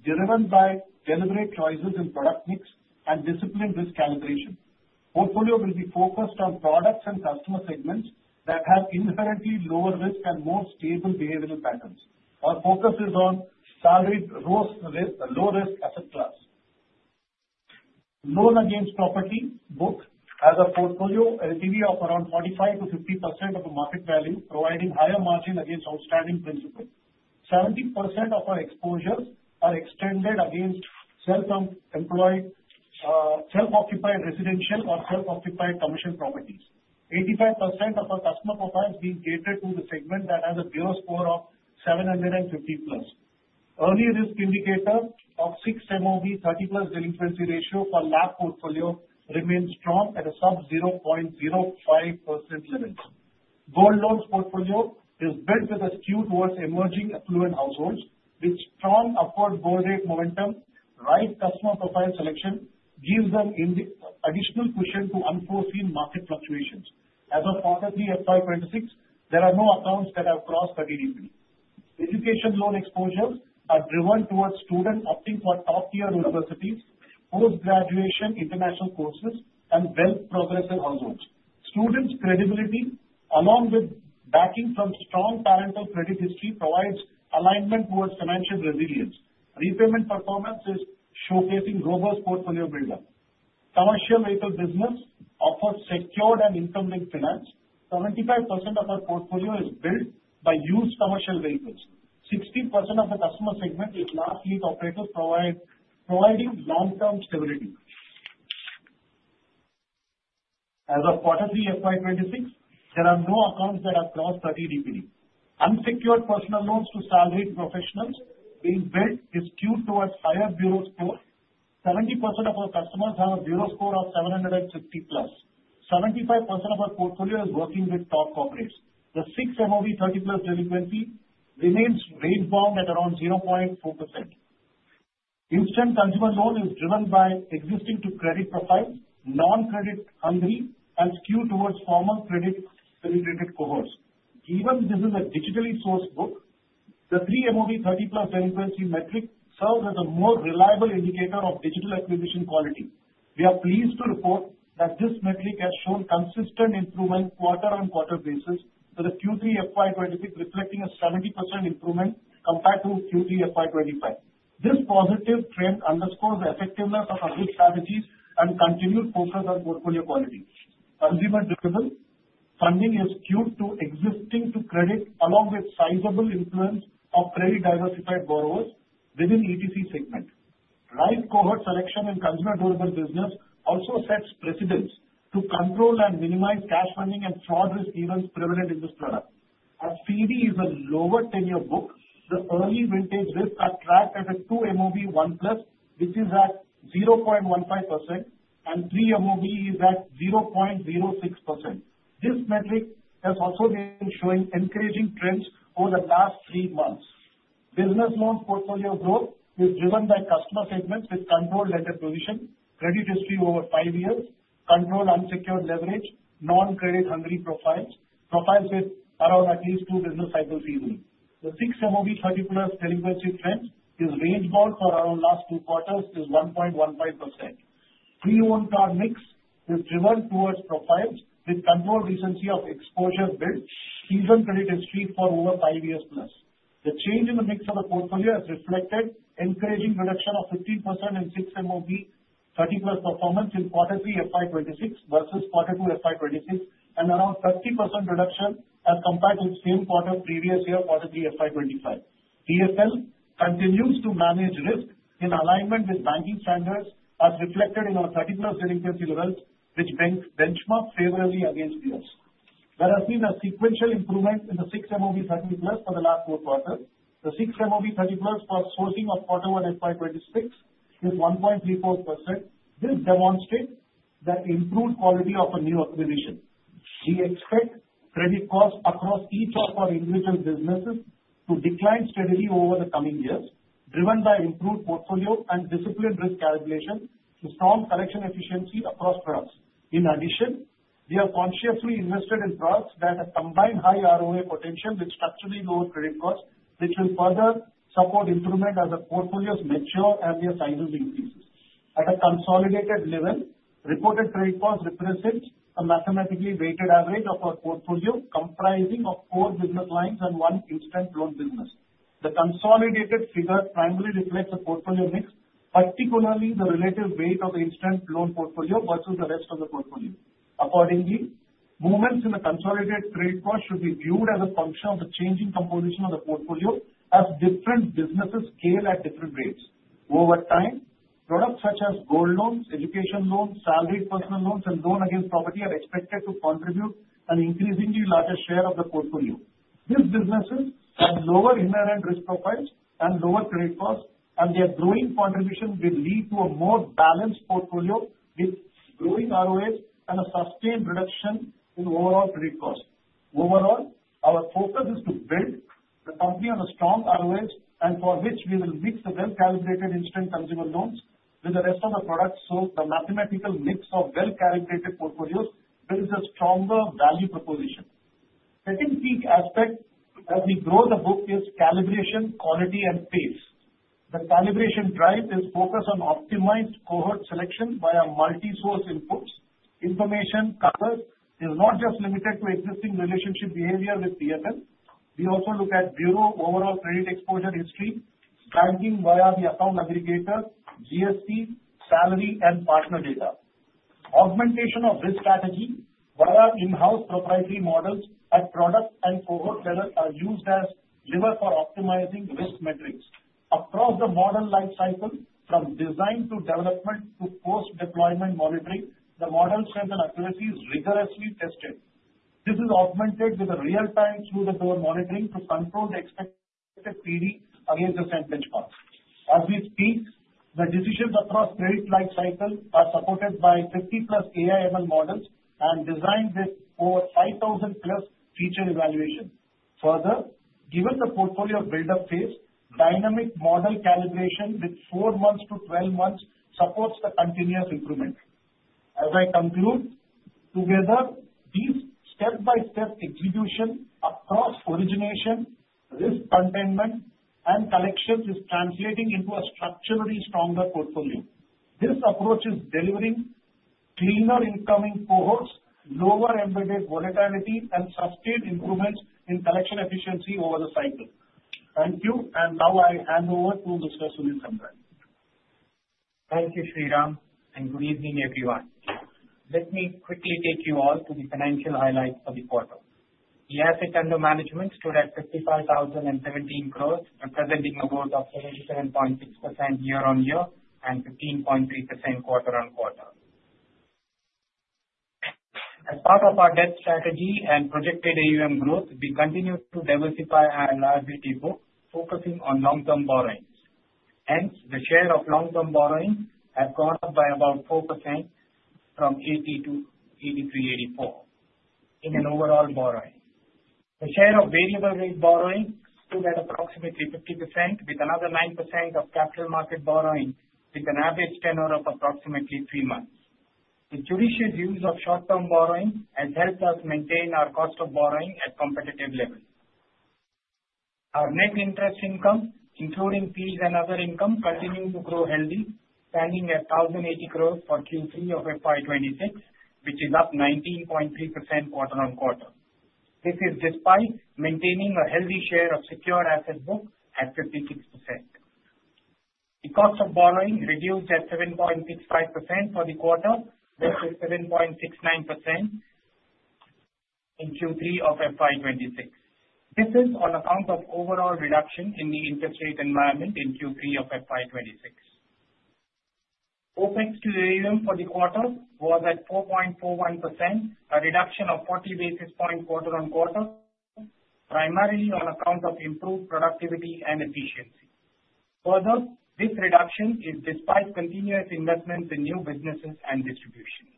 driven by deliberate choices in product mix and disciplined risk calibration. Portfolio will be focused on products and customer segments that have inherently lower risk and more stable behavioral patterns. Our focus is on salaried low-risk asset class. Loan Against Property book has a portfolio LTV of around 45%-50% of the market value, providing higher margin against outstanding principal. 70% of our exposures are extended against self-occupied residential or self-occupied commercial properties. 85% of our customer profile is being catered to the segment that has a bureau score of 750 plus. Early risk indicator of 6MOB 30 plus delinquency ratio for LAP portfolio remains strong at a sub-0.05% limit. Gold loan portfolio is built with a skew towards emerging affluent households, with strong upward bull rate momentum, right customer profile selection gives them additional cushion to unforeseen market fluctuations. As of quarter 3 FY 2026, there are no accounts that have crossed 30 DPD. Education Loan exposures are driven towards students opting for top-tier universities, post-graduation international courses, and wealth-progressive households. Students' credibility, along with backing from strong parental credit history, provides alignment towards financial resilience. Repayment performance is showcasing robust portfolio build-up. Commercial vehicle business offers secured and income-linked finance. 75% of our portfolio is built by used commercial vehicles. 60% of the customer segment is large fleet operators, providing long-term stability. As of quarter 3 FY 2026, there are no accounts that have crossed 30 DPD. Unsecured personal loans to salaried professionals being built is skewed towards higher bureau score. 70% of our customers have a bureau score of 750 plus. 75% of our portfolio is working with top corporates. The 6MOB 30 plus delinquency remains range-bound at around 0.4%. Instant consumer loan is driven by existing to credit profile. Non-credit hungry and skewed towards formal credit-related cohorts. Given this is a digitally sourced book, the 3MOB 30 plus delinquency metric serves as a more reliable indicator of digital acquisition quality. We are pleased to report that this metric has shown consistent improvement on quarter-on-quarter basis, with Q3 FY 2026 reflecting a 70% improvement compared to Q3 FY 2025. This positive trend underscores the effectiveness of our good strategies and continued focus on portfolio quality. Consumer durable funding is skewed to existing to credit, along with sizable influence of credit-diversified borrowers within ETC segment. Right cohort selection in consumer durable business also sets precedents to control and minimize cash funding and fraud risk events prevalent in this product. As CD is a lower tenure book, the early vintage risk is tracked at a 2MOB 1 plus, which is at 0.15%, and 3MOB is at 0.06%. This metric has also been showing encouraging trends over the last three months. Business loan portfolio growth is driven by customer segments with controlled lender position, credit history over five years, controlled unsecured leverage, non-credit hungry profiles, profiles with around at least two business cycles seasonally. The 6MOB 30 plus delinquency trend is range-bound for around the last two quarters and is 1.15%. Pre-owned car mix is driven towards profiles with controlled recency of exposure build, seasoned credit history for over five years plus. The change in the mix of the portfolio has reflected encouraging reduction of 15% in 6MOB 30 plus performance in quarter 3 FY 2026 versus quarter 2 FY 2026, and around 30% reduction as compared to the same quarter previous year, quarter 3 FY 2025. DSL continues to manage risk in alignment with banking standards, as reflected in our 30 plus delinquency levels, which benchmark favorably against the others. There has been a sequential improvement in the 6MOB 30 plus for the last four quarters. The 6MOB 30 plus for sourcing of quarter 1 FY 26 is 1.34%. This demonstrates the improved quality of a new acquisition. We expect credit costs across each of our individual businesses to decline steadily over the coming years, driven by improved portfolio and disciplined risk calibration, to strong collection efficiency across products. In addition, we have consciously invested in products that have combined high ROA potential with structurally lower credit costs, which will further support improvement as the portfolio matures and their sizes increases. At a consolidated level, reported credit costs represent a mathematically weighted average of our portfolio, comprising of four business lines and one instant loan business. The consolidated figure primarily reflects the portfolio mix, particularly the relative weight of the instant loan portfolio versus the rest of the portfolio. Accordingly, movements in the consolidated credit costs should be viewed as a function of the changing composition of the portfolio, as different businesses scale at different rates. Over time, products such as gold loans, education loans, salaried personal loans, and loan against property are expected to contribute an increasingly larger share of the portfolio. These businesses have lower inherent risk profiles and lower credit costs, and their growing contribution will lead to a more balanced portfolio with growing ROAs and a sustained reduction in overall credit costs. Overall, our focus is to build the company on a strong ROA, and for which we will mix the well-calibrated instant consumer loans with the rest of the products, so the mathematical mix of well-calibrated portfolios builds a stronger value proposition. Second key aspect as we grow the book is calibration, quality, and pace. The calibration drive is focused on optimized cohort selection via multi-source inputs. Information cover is not just limited to existing relationship behavior with DSL. We also look at bureau overall credit exposure history, banking via the account aggregator, GST, salary, and partner data. Augmentation of risk strategy via in-house proprietary models at product and cohort level are used as levers for optimizing risk metrics. Across the model lifecycle, from design to development to post-deployment monitoring, the model strength and accuracy is rigorously tested. This is augmented with real-time through-the-door monitoring to control the expected PD against the sanction cost. As we speak, the decisions across credit lifecycle are supported by 50-plus AIML models and designed with over 5,000-plus feature evaluation. Further, given the portfolio build-up phase, dynamic model calibration with 4 months to 12 months supports the continuous improvement. As I conclude, together, this step-by-step execution across origination, risk containment, and collection is translating into a structurally stronger portfolio. This approach is delivering cleaner incoming cohorts, lower embedded volatility, and sustained improvements in collection efficiency over the cycle. Thank you, and now I hand over to Mr. Sunil Samdani. Thank you, Sriram, and good evening, everyone. Let me quickly take you all to the financial highlights of the quarter. The asset under management stood at 55,017 gross, representing a growth of 77.6% year-on-year and 15.3% quarter-on-quarter. As part of our debt strategy and projected AUM growth, we continue to diversify our liability book, focusing on long-term borrowings. Hence, the share of long-term borrowing has gone up by about 4% from 82% to 84% in an overall borrowing. The share of variable-rate borrowing stood at approximately 50%, with another 9% of capital market borrowing, with an average tenor of approximately three months. The judicious use of short-term borrowing has helped us maintain our cost of borrowing at a competitive level. Our net interest income, including fees and other income, continues to grow healthy, standing at 1,080 gross for Q3 of FY 26, which is up 19.3% quarter-on-quarter. This is despite maintaining a healthy share of secured asset book at 56%. The cost of borrowing reduced at 7.65% for the quarter, which is 7.69% in Q3 of FY 26. This is on account of overall reduction in the interest rate environment in Q3 of FY 26. OpEx to AUM for the quarter was at 4.41%, a reduction of 40 basis points quarter-on-quarter, primarily on account of improved productivity and efficiency. Further, this reduction is despite continuous investment in new businesses and distribution.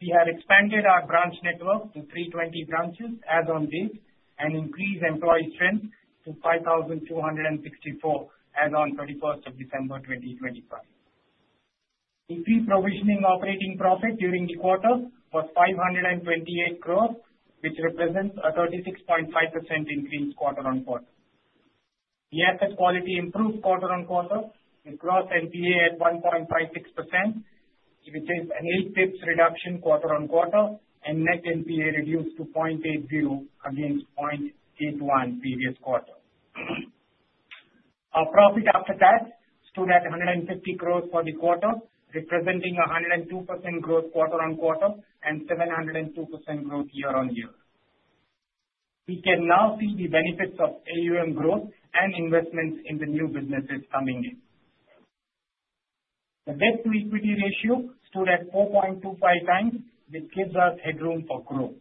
We have expanded our branch network to 320 branches as on date and increased employee strength to 5,264 as on 31st of December 2025. The pre-provision operating profit during the quarter was 528 crores, which represents a 36.5% increase quarter-on-quarter. The asset quality improved quarter-on-quarter with gross NPA at 1.56%, which is a 0.05 reduction quarter-on-quarter, and net NPA reduced to 0.80% against 0.81% previous quarter. Our profit after tax stood at 150 crores for the quarter, representing a 102% growth quarter-on-quarter and 702% growth year-on-year. We can now see the benefits of AUM growth and investments in the new businesses coming in. The debt-to-equity ratio stood at 4.25 times, which gives us headroom for growth.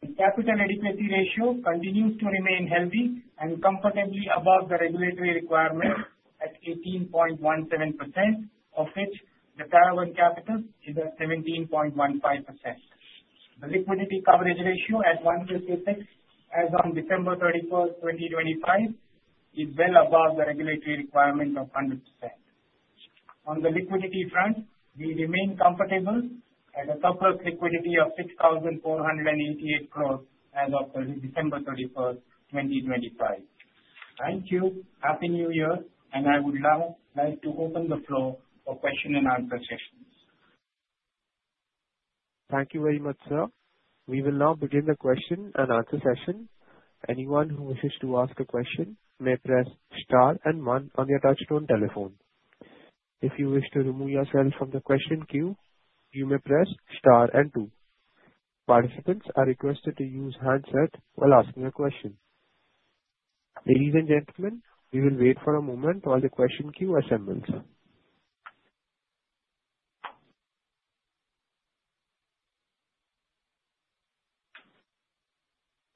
The capital adequacy ratio continues to remain healthy and comfortably above the regulatory requirement at 18.17%, of which the Tier 1 capital is at 17.15%. The liquidity coverage ratio at 156% as on December 31st, 2025, is well above the regulatory requirement of 100%. On the liquidity front, we remain comfortable at a surplus liquidity of ₹6,488 crores as of December 31st, 2025. Thank you. Happy New Year, and I would now like to open the floor for question and answer session. Thank you very much, sir. We will now begin the question and answer session. Anyone who wishes to ask a question may press star and one on your touch-tone telephone. If you wish to remove yourself from the question queue, you may press star and two. Participants are requested to use handset while asking a question. Ladies and gentlemen, we will wait for a moment while the question queue assembles.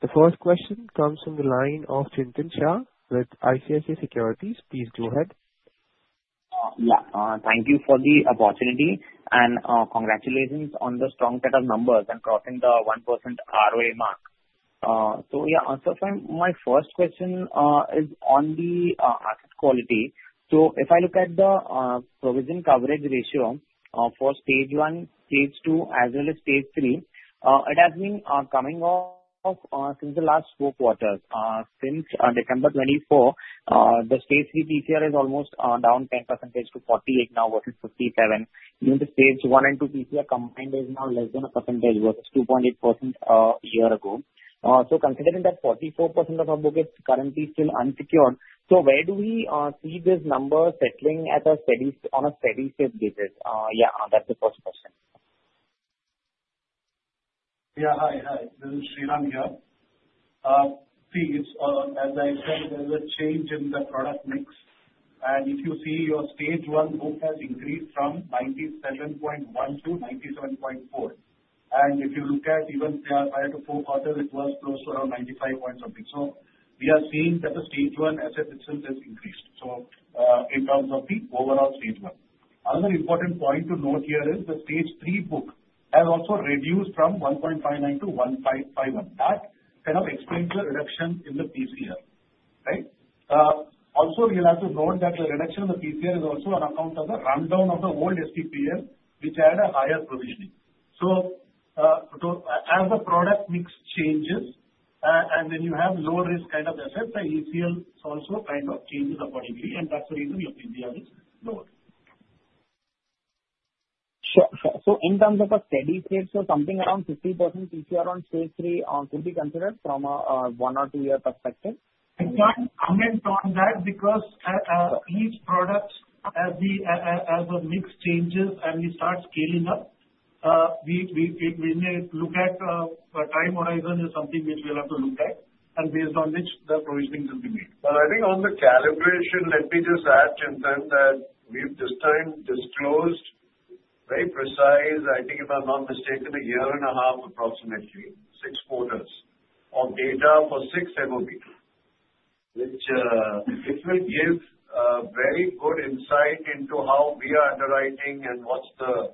The first question comes from the line of Chintan Shah with ICICI Securities. Please go ahead. Yeah, thank you for the opportunity and congratulations on the strong set of numbers and crossing the 1% ROA mark. So yeah, so my first question is on the asset quality. So if I look at the Provision Coverage Ratio for Stage 1, Stage 2, as well as Stage 3, it has been coming off since the last four quarters. Since December 2024, the Stage 3 PCR is almost down 10% to 48% now, versus 57%. The Stage 1 and Stage 2 PCR combined is now less than a percentage, versus 2.8% a year ago. So considering that 44% of our book is currently still unsecured, so where do we see this number settling on a steady-state basis? Yeah, that's the first question. Yeah, hi, hi. This is Sriram here. See, as I said, there's a change in the product mix, and if you see your Stage 1 book has increased from 97.1% to 97.4%. And if you look at even prior to four quarters, it was close to around 95 points a week. So we are seeing that the Stage 1 asset itself has increased, so in terms of the overall Stage 1. Another important point to note here is the Stage 3 book has also reduced from 1.59% to 1.51%. That kind of explains the reduction in the PCR, right? Also, we'll have to note that the reduction in the PCR is also on account of the rundown of the old STPL, which had a higher provisioning. So as the product mix changes and then you have low-risk kind of assets, the ECL also kind of changes accordingly, and that's the reason your PCR is lower. Sure, sure. So in terms of a steady state, so something around 50% PCR on stage three could be considered from a one or two-year perspective? I'm not on that because each product, as the mix changes and we start scaling up, we may look at a time horizon or something which we'll have to look at and based on which the provisioning will be made. I think on the calibration, let me just add, Chintan, that we've this time disclosed very precise, I think if I'm not mistaken, a year and a half, approximately six quarters of data for six MOB, which will give a very good insight into how we are underwriting and what's the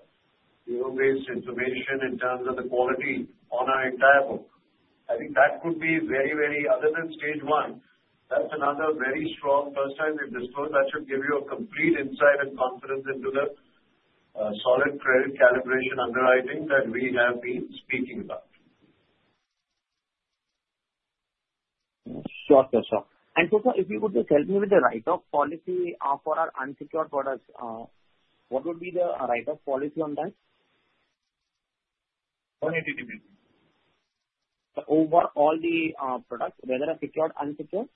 vintage-based information in terms of the quality on our entire book. I think that could be very, very other than Stage 1, that's another very strong first time we've disclosed. That should give you a complete insight and confidence into the solid credit calibration underwriting that we have been speaking about. Sure, sure, sure. And so sir, if you would just help me with the write-off policy for our unsecured products, what would be the write-off policy on that? 180 DPD. Overall the products, whether secured, unsecured?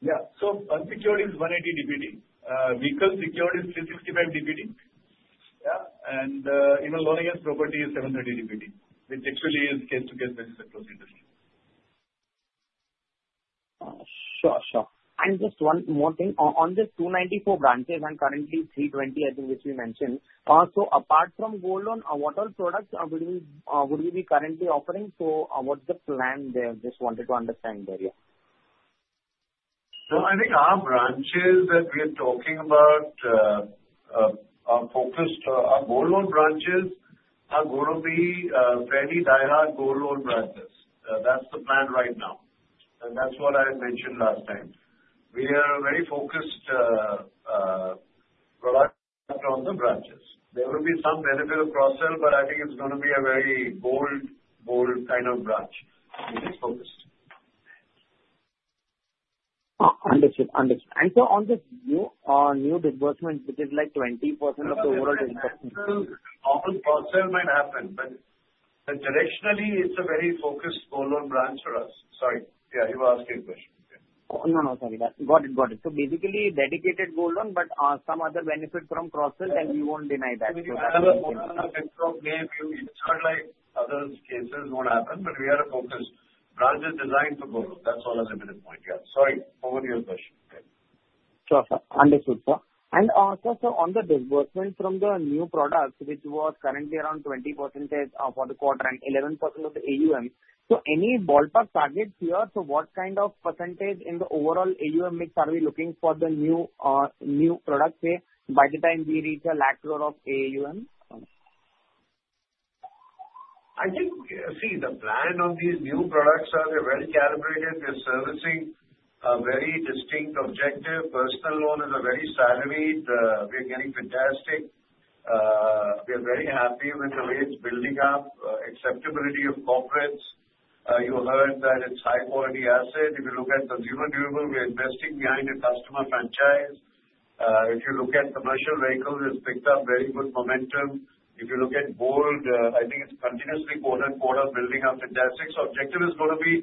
Yeah, so unsecured is 180 DPD. Vehicle secured is 365 DPD. Yeah, and even loan against property is 730 DPD, which actually is case-by-case basis across the industry. Sure, sure. And just one more thing. On the 294 branches and currently 320, I think which we mentioned, so apart from gold loan, what other products would we be currently offering? So what's the plan there? Just wanted to understand that, yeah. So I think our branches that we are talking about are focused. Our gold loan branches are going to be fairly die-hard gold loan branches. That's the plan right now. And that's what I had mentioned last time. We are very focused product on the branches. There will be some benefit of cross-sell, but I think it's going to be a very bold, bold kind of branch. We're just focused. Understood, understood. And so on the new disbursement, which is like 20% of the overall disbursement. Cross-sell might happen, but directionally, it's a very focused gold loan branch for us. Sorry. Yeah, you were asking a question. No, no, sorry. Got it, got it. So basically, dedicated gold loan, but some other benefit from cross-sell, then we won't deny that. So that's the point. In short, like other cases won't happen, but we are a focused branch designed for gold loan. That's all I have at this point. Yeah. Sorry. Over to your question. Sure, sir. Understood, sir. And also, sir, on the disbursement from the new products, which was currently around 20% for the quarter and 11% of the AUM, so any ballpark targets here? So what kind of percentage in the overall AUM mix are we looking for the new products by the time we reach a lakh crore of AUM? I think, see, the plan on these new products are well calibrated. We're servicing a very distinct objective. Personal loan is a very salaried. We're getting fantastic. We're very happy with the way it's building up, acceptability of corporates. You heard that it's high-quality asset. If you look at consumer durable, we're investing behind a customer franchise. If you look at commercial vehicles, it's picked up very good momentum. If you look at gold, I think it's continuously quarter-to-quarter building up fantastic. So objective is going to be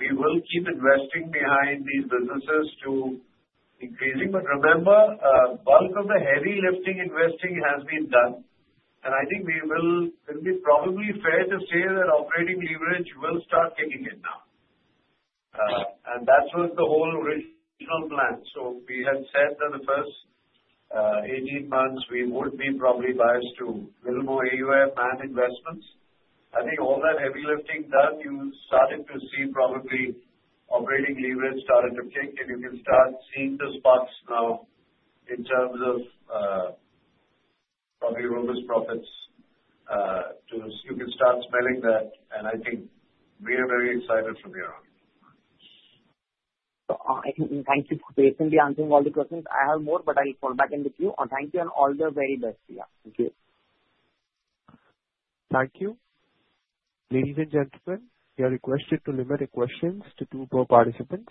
we will keep investing behind these businesses to increasing. But remember, bulk of the heavy lifting investing has been done. And I think we'll be probably fair to say that operating leverage will start kicking in now. And that was the whole original plan. So we had said that the first 18 months, we would be probably biased to a little more AUM and investments. I think all that heavy lifting done, you started to see probably operating leverage started to kick, and you can start seeing the sparks now in terms of probably robust profits. You can start smelling that, and I think we are very excited from here on. Thank you for patiently answering all the questions. I have more, but I'll fall back in with you. Thank you and all the very best. Yeah. Thank you. Thank you. Ladies and gentlemen, we are requested to limit the questions to two participants.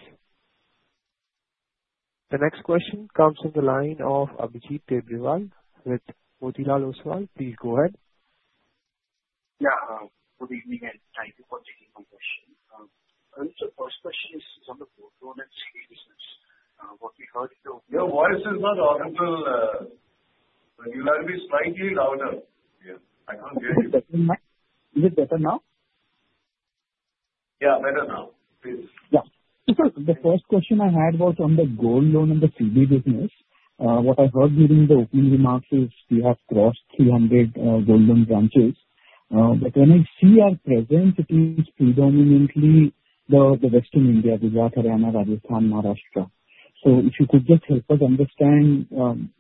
The next question comes from the line of Abhijit Tibrewal with Motilal Oswal. Please go ahead. Yeah. Good evening, and thank you for taking my question. First question is on the gold loan and CV business. What I heard during the opening remarks is we have crossed 300 gold loan branches. But when I see our presence, it is predominantly Western India, Gujarat, Haryana, Rajasthan, Maharashtra. So if you could just help us understand,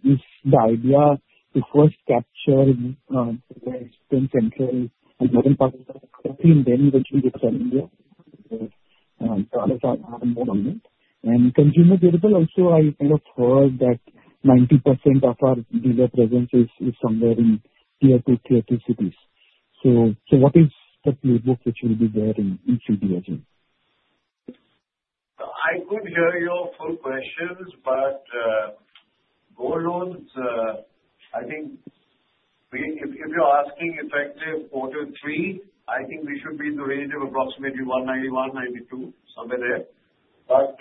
is the idea to first capture the central and northern parts of the country, and then eventually Western India? So I'll have a moment on that. And consumer durable, also, I kind of heard that 90% of our dealer presence is somewhere in tier 2, tier 3 cities. So, what is the playbook which will be there in CB as well? I could hear your full questions, but gold loans, I think if you're asking effective quarter three, I think we should be in the range of approximately 191, 192, somewhere there. But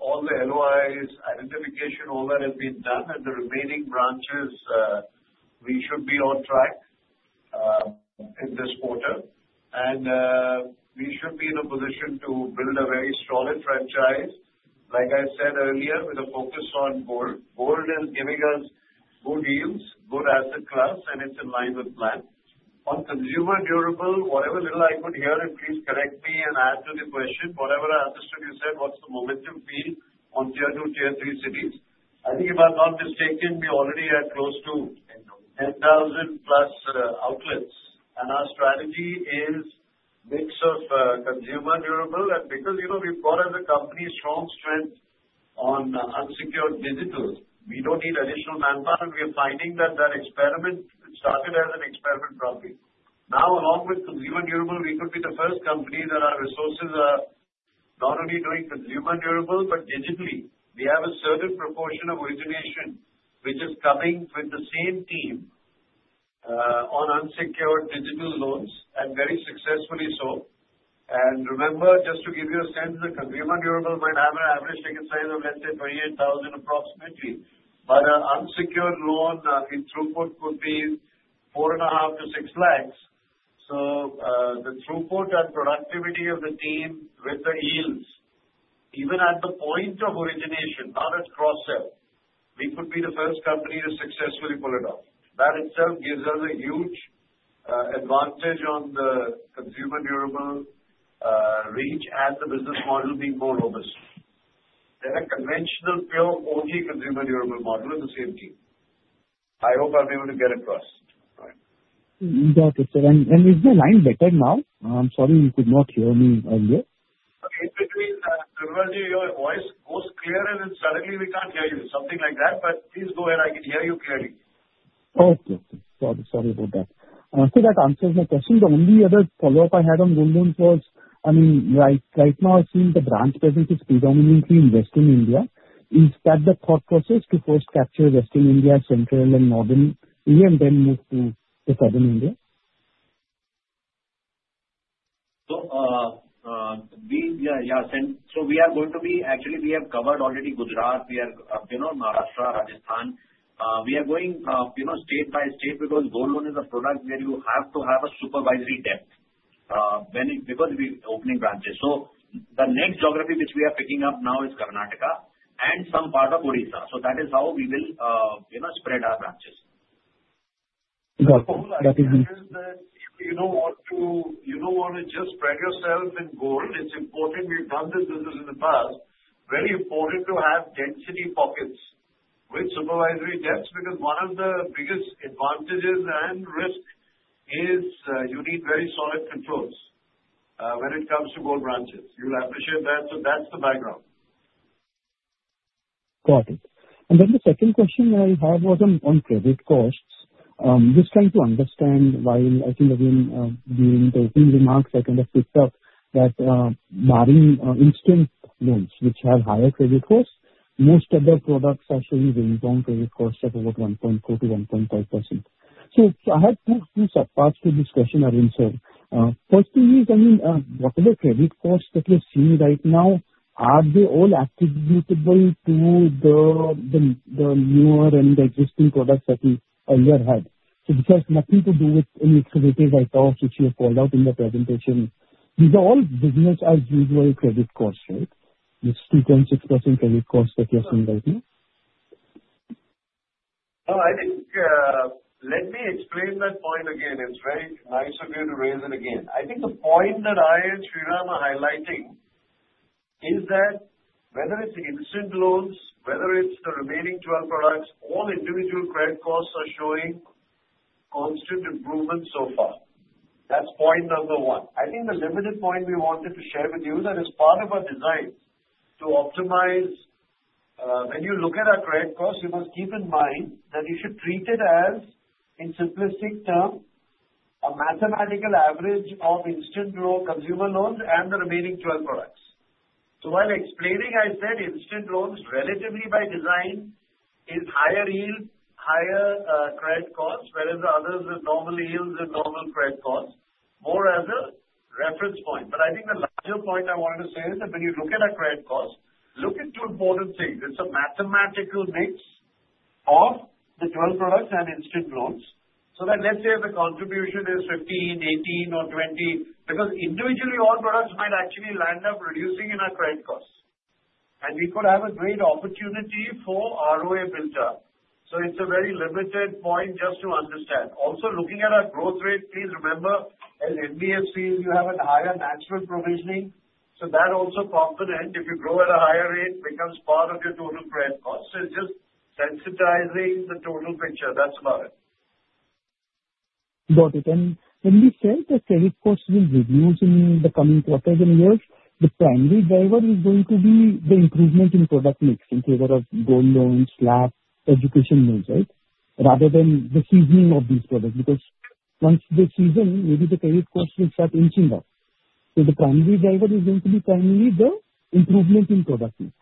all the LOIs, identification all that has been done, and the remaining branches, we should be on track in this quarter. We should be in a position to build a very solid franchise, like I said earlier, with a focus on gold. Gold is giving us good deals, good asset class, and it's in line with plan. On consumer durable, whatever little I could hear, and please correct me and add to the question, whatever I understood you said, what's the momentum feel on Tier 2, Tier 3 cities? I think if I'm not mistaken, we already had close to 10,000 plus outlets. Our strategy is mix of consumer durable. Because we've got as a company strong strength on unsecured digital, we don't need additional manpower. We are finding that that experiment started as an experiment probably. Now, along with consumer durable, we could be the first company that our resources are not only doing consumer durable, but digitally. We have a certain proportion of origination, which is coming with the same team on unsecured digital loans, and very successfully so. Remember, just to give you a sense, the consumer durable might have an average ticket size of, let's say, ₹28,000 approximately. An unsecured loan in throughput could be ₹4.5-6 lakhs. The throughput and productivity of the team with the yields, even at the point of origination, not at cross-sell, we could be the first company to successfully pull it off. That itself gives us a huge advantage on the consumer durable reach and the business model being more robust. Then a conventional, pure, only consumer durable model is the same team. I hope I'm able to get across. Got it. And is the line better now? I'm sorry, you could not hear me earlier. In between the interview, your voice goes clearer, and suddenly we can't hear you. Something like that. But please go ahead. I can hear you clearly. Okay. Sorry about that. So that answers my question. The only other follow-up I had on gold loans was, I mean, right now, I've seen the branch presence is predominantly in Western India. Is that the thought process to first capture Western India, Central, and Northern India, and then move to Southern India? Yeah, yeah. So we are going to be actually, we have covered already Gujarat. We are in Maharashtra, Rajasthan. We are going state by state because gold loan is a product where you have to have a supervisory depth because we're opening branches. The next geography which we are picking up now is Karnataka and some part of Odisha. That is how we will spread our branches. Got it. That is the if you don't want to you don't want to just spread yourself in gold, it's important we've done this business in the past. Very important to have density pockets with supervisory depths because one of the biggest advantages and risks is you need very solid controls when it comes to gold branches. You'll appreciate that. That's the background. Got it. The second question I have was on credit costs. Just trying to understand why. I think, again, during the opening remarks, I kind of picked up that barring instant loans which have higher credit costs, most of the products are showing range-bound credit costs of about 1.4%-1.5%. So I had two subparts to this question, Arvind, sir. First thing is, I mean, whatever credit costs that you see right now, are they all attributable to the newer and existing products that you earlier had? So this has nothing to do with any activities I talked, which you called out in the presentation. These are all business-as-usual credit costs, right? It's 2.6% credit costs that you're seeing right now? Oh, I think let me explain that point again. It's very nice of you to raise it again. I think the point that I and Sriram are highlighting is that whether it's instant loans, whether it's the remaining 12 products, all individual credit costs are showing constant improvement so far. That's point number one. I think the limited point we wanted to share with you that is part of our design to optimize when you look at our credit costs, you must keep in mind that you should treat it as, in simplistic terms, a mathematical average of instant loan, consumer loans, and the remaining 12 products. So while explaining, I said instant loans relatively by design is higher yield, higher credit costs, whereas the others are normal yields and normal credit costs. More as a reference point. But I think the larger point I wanted to say is that when you look at our credit costs, look at two important things. It's a mathematical mix of the 12 products and instant loans. So that, let's say the contribution is 15, 18, or 20 because individually, all products might actually land up reducing in our credit costs, and we could have a great opportunity for ROA build-up. It's a very limited point just to understand. Also, looking at our growth rate, please remember, as NBFCs, you have a higher natural provisioning. So that also complements, if you grow at a higher rate, becomes part of your total credit cost. It's just sensitizing the total picture. That's about it. Got it. When we said that credit costs will reduce in the coming quarters and years, the primary driver is going to be the improvement in product mix in favor of gold loans, LAP, education loans, right? Rather than the seasoning of these products because once the seasoning, maybe the credit costs will start inching up. So the primary driver is going to be primarily the improvement in product mix.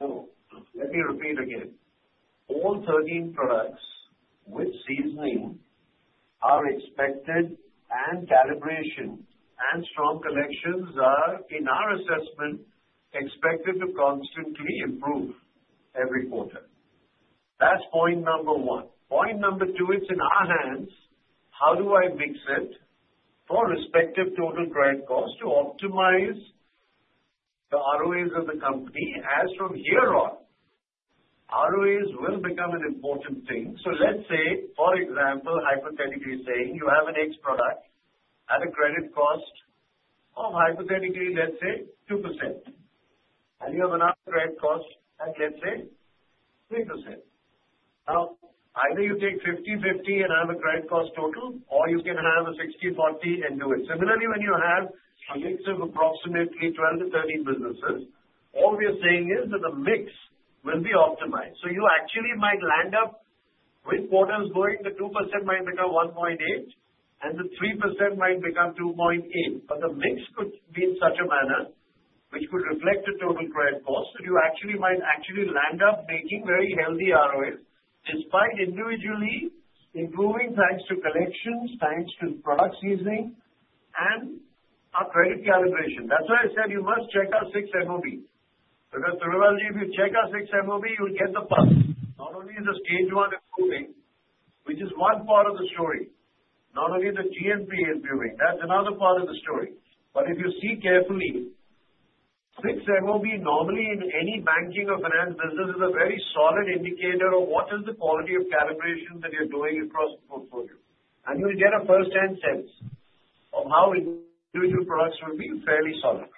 Let me repeat again. All 13 products with seasoning are expected, and calibration and strong connections are, in our assessment, expected to constantly improve every quarter. That's point number one. Point number two, it's in our hands. How do I mix it for respective total credit costs to optimize the ROAs of the company as from here on? ROAs will become an important thing. So let's say, for example, hypothetically saying you have an X product at a credit cost of, hypothetically, let's say, 2%. And you have another credit cost at, let's say, 3%. Now, either you take 50/50 and have a credit cost total, or you can have a 60/40 and do it. Similarly, when you have a mix of approximately 12 to 13 businesses, all we're saying is that the mix will be optimized. So you actually might land up with quarters going the 2% might become 1.8%, and the 3% might become 2.8%. But the mix could be in such a manner which could reflect the total credit cost that you actually might actually land up making very healthy ROAs despite individually improving thanks to collections, thanks to product seasoning, and our credit calibration. That's why I said you must check our 6MOB because Sriram, if you check our 6MOB, you'll get the picture. Not only is the Stage 1 improving, which is one part of the story. Not only the GNPA is improving. That's another part of the story. But if you see carefully, 6MOB normally in any banking or finance business is a very solid indicator of what is the quality of calibration that you're doing across the portfolio. And you'll get a firsthand sense of how individual products will be fairly solid.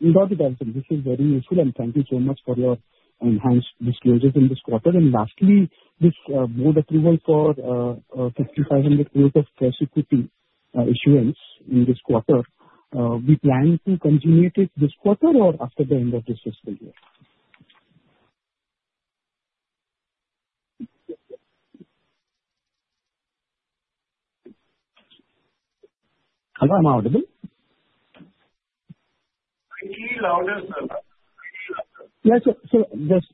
Got it, Arun sir. This is very useful, and thank you so much for your enhanced disclosures in this quarter. And lastly, this board approval for 5,500 crores of cash equity issuance in this quarter, we plan to continue it this quarter or after the end of this fiscal year? Hello, I'm audible? Really louder, sir. Yes, sir. So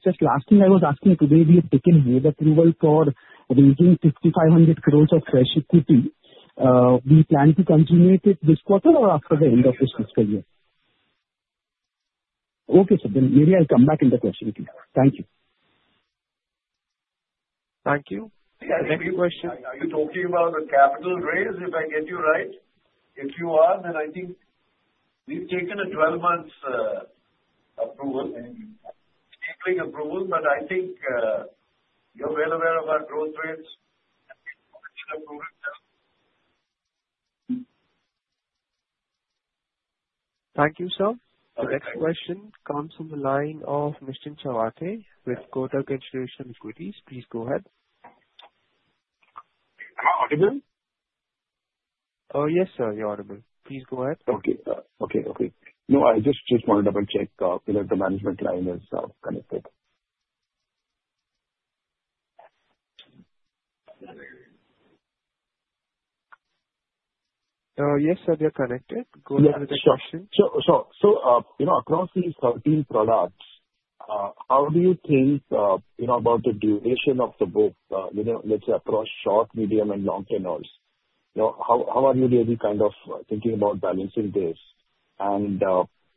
just last thing I was asking, could there be a second board approval for reaching 5,500 crores of cash equity? We plan to continue it this quarter or after the end of this fiscal year? Okay, sir. Then maybe I'll come back in the question team. Thank you. Thank you. Thank you. Are you talking about the capital raise, if I get you right? If you are, then I think we've taken a 12-month approval, stapling approval. But I think you're well aware of our growth rates. Thank you, sir. The next question comes from the line of Mr. Chawathe with Kotak Institutional Equities. Please go ahead. Am I audible? Yes, sir, you're audible. Please go ahead. Okay. Okay. Okay. No, I just wanted to double-check whether the management line is connected. Yes, sir, they're connected. Go ahead with the question. Yes. So across these 13 products, how do you think about the duration of the book, let's say, across short, medium, and long-term loans? How are you really kind of thinking about balancing this? And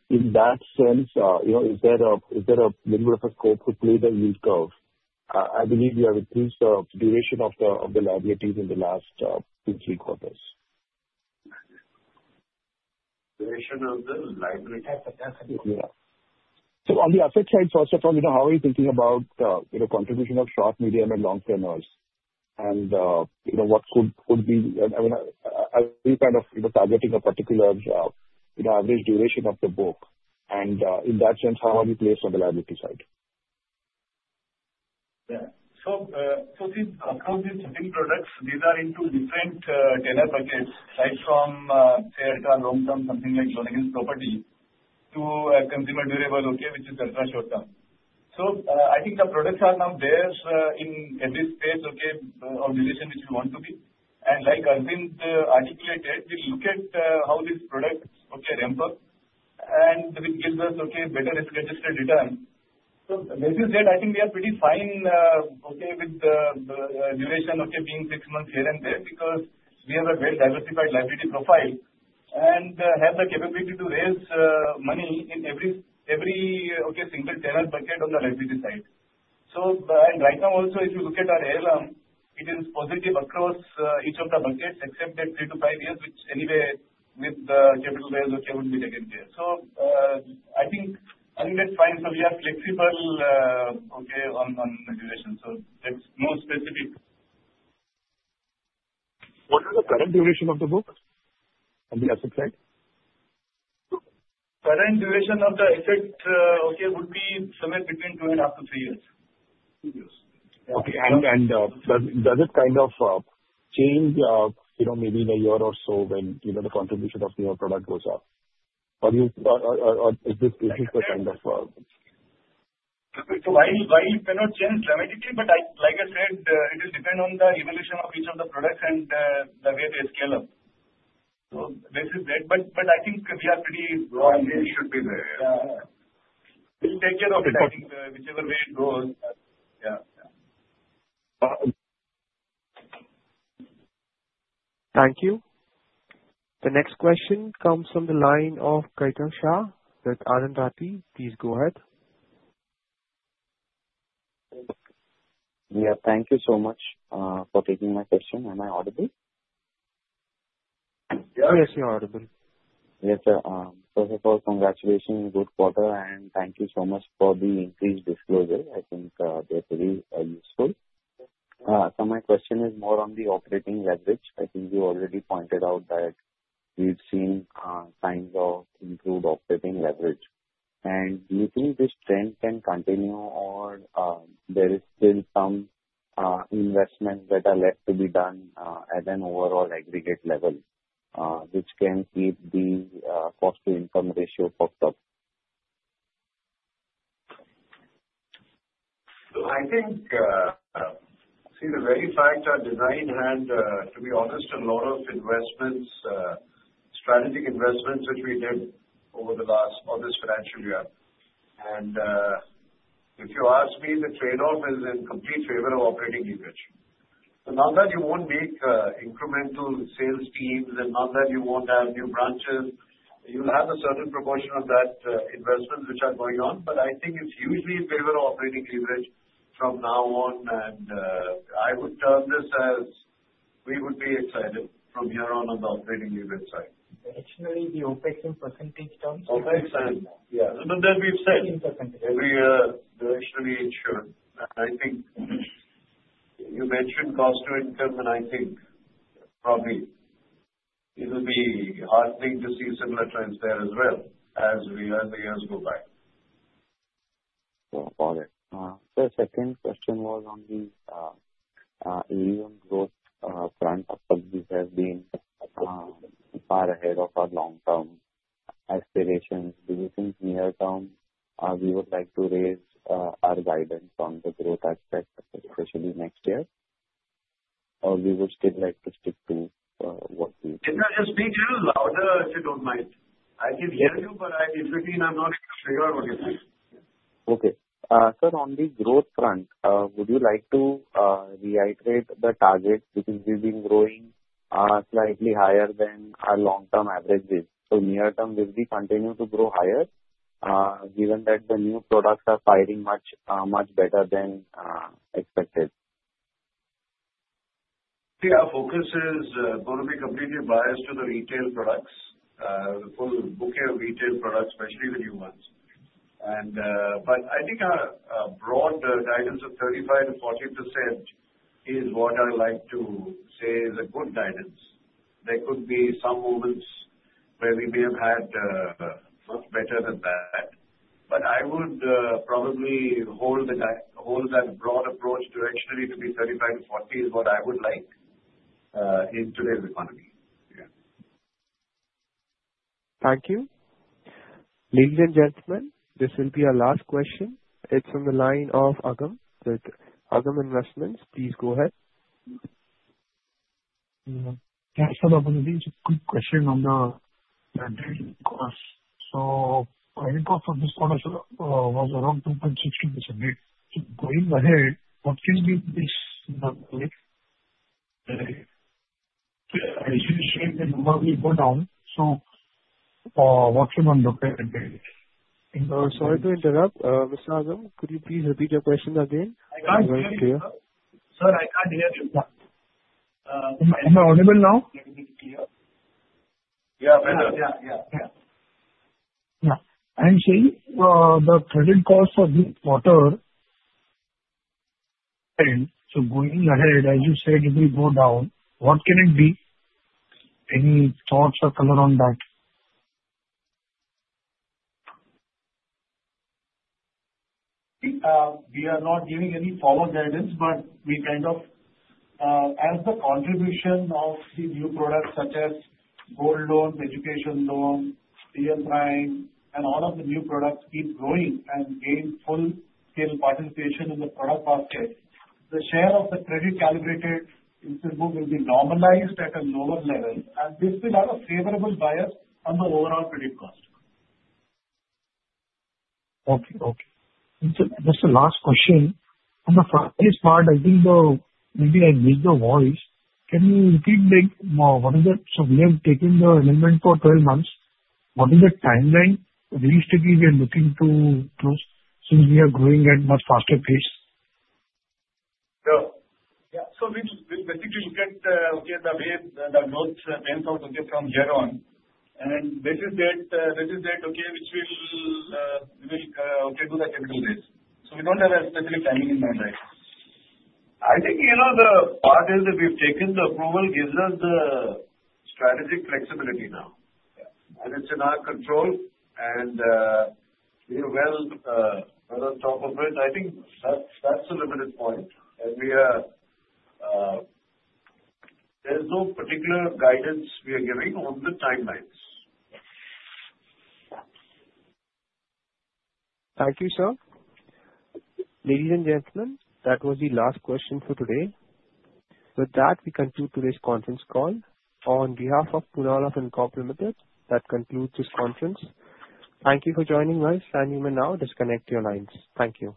in that sense, is there a little bit of a scope to play the yield curve? I believe you have increased the duration of the liabilities in the last two, three quarters. Duration of the liabilities. Yeah. So on the asset side, first of all, how are you thinking about the contribution of short, medium, and long-term loans? And what could be? I mean, are you kind of targeting a particular average duration of the book? And in that sense, how are you placed on the liability side? Yeah. So across these 13 products, these are into different tenure buckets, right, from the long-term, something like loan against property, to consumer durable, okay, which is ultra-short-term. So I think the products are now there in every space, okay, of duration which we want to be. And like Arvind articulated, we look at how these products ramp up, and it gives us better risk-adjusted return. So with that, I think we are pretty fine, okay, with the duration, okay, being six months here and there because we have a well-diversified liability profile and have the capability to raise money in every single tenure bucket on the liability side. So right now, also, if you look at our LLM, it is positive across each of the buckets, except that three to five years, which anyway, with the capital raise, okay, would be taken there. So I think that's fine. So we are flexible, okay, on the duration. So that's no specific. What is the current duration of the book on the asset side? Current duration of the asset, okay, would be somewhere between two and a half to three years. Two years. Okay. And does it kind of change maybe in a year or so when the contribution of the newer product goes up? Or, is this the kind of? While it may not change dramatically, but like I said, it will depend on the evolution of each of the products and the way they scale up. So this is it. But I think we are pretty broad. We should be there. We'll take care of that in whichever way it goes. Yeah. Thank you. The next question comes from the line of Kaitav Shah with Anand Rathi. Please go ahead. Yeah. Thank you so much for taking my question. Am I audible? Yes, you're audible. Yes, sir. First of all, congratulations, good quarter, and thank you so much for the increased disclosure. I think they're pretty useful. So my question is more on the operating leverage. I think you already pointed out that we've seen signs of improved operating leverage. And do you think this trend can continue, or there is still some investment that is left to be done at an overall aggregate level, which can keep the cost-to-income ratio topped up? I think, see, the very fact are designed and, to be honest, a lot of investments, strategic investments, which we did over the last August financial year. And if you ask me, the trade-off is in complete favor of Operating Leverage. So not that you won't make incremental sales teams, and not that you won't have new branches. You'll have a certain proportion of that investment which are going on. But I think it's usually in favor of Operating Leverage from now on. And I would term this as we would be excited from here on on the Operating Leverage side. Directionally, the OpEx in percentage terms? OpEx and, yeah. But then we've said every directionally insured. And I think you mentioned cost-to-income, and I think probably it will be a hard thing to see similar trends there as well as the years go by. Got it. So the second question was on the AUM growth front. Companies have been far ahead of our long-term aspirations. Do you think near-term we would like to raise our guidance on the growth aspect, especially next year? Or we would still like to stick to what we? Just be a little louder, if you don't mind. I can hear you, but in between, I'm not able to figure out what you mean. Okay. Sir, on the growth front, would you like to reiterate the target because we've been growing slightly higher than our long-term average is? So near-term, will we continue to grow higher given that the new products are firing much better than expected? Our focus is going to be completely biased to the retail products, the full bouquet of retail products, especially the new ones. But I think our broad guidance of 35%-40% is what I like to say is a good guidance. There could be some moments where we may have had much better than that. But I would probably hold that broad approach directionally to be 35%-40% is what I would like in today's economy. Yeah. Thank you. Ladies and gentlemen, this will be our last question. It's from the line of Agam with Agam Investments. Please go ahead. Thanks for the opportunity. Just a quick question on the credit costs. So credit cost of this quarter was around 2.62%. Going ahead, what can be this? I assume the number will go down. So what can one look at? Sorry to interrupt. Mr. Arun, could you please repeat your question again? I can't hear you. Sir, I can't hear you. Am I audible now? Yeah, better. I'm saying the credit costs of this quarter, so going ahead, as you said, it will go down. What can it be? Any thoughts or color on that? We are not giving any forward guidance, but we kind of, as the contribution of these new products such as gold loans, education loans, real-time, and all of the new products keep growing and gain full-scale participation in the product market, the share of the credit-calibrated incentive will be normalized at a lower level. And this will have a favorable bias on the overall credit cost. Okay. Okay. Just a last question. On the LAP part, I think maybe I missed the voice. Can you repeat what is the? So we have taken the investment for 12 months. What is the timeline? Realistically, we are looking to close since we are growing at a much faster pace. Yeah. So we basically look at the way the growth pans out from here on. And this is that, okay, which we will do the typical days. So we don't have a specific timing in mind, right? I think the part is that we've taken the approval gives us the strategic flexibility now. And it's in our control. And we're well on top of it. I think that's the limited point. There's no particular guidance we are giving on the timelines. Thank you, sir. Ladies and gentlemen, that was the last question for today. With that, we conclude today's conference call. On behalf of Poonawalla Fincorp Limited, that concludes this conference. Thank you for joining us. You may now disconnect your lines. Thank you.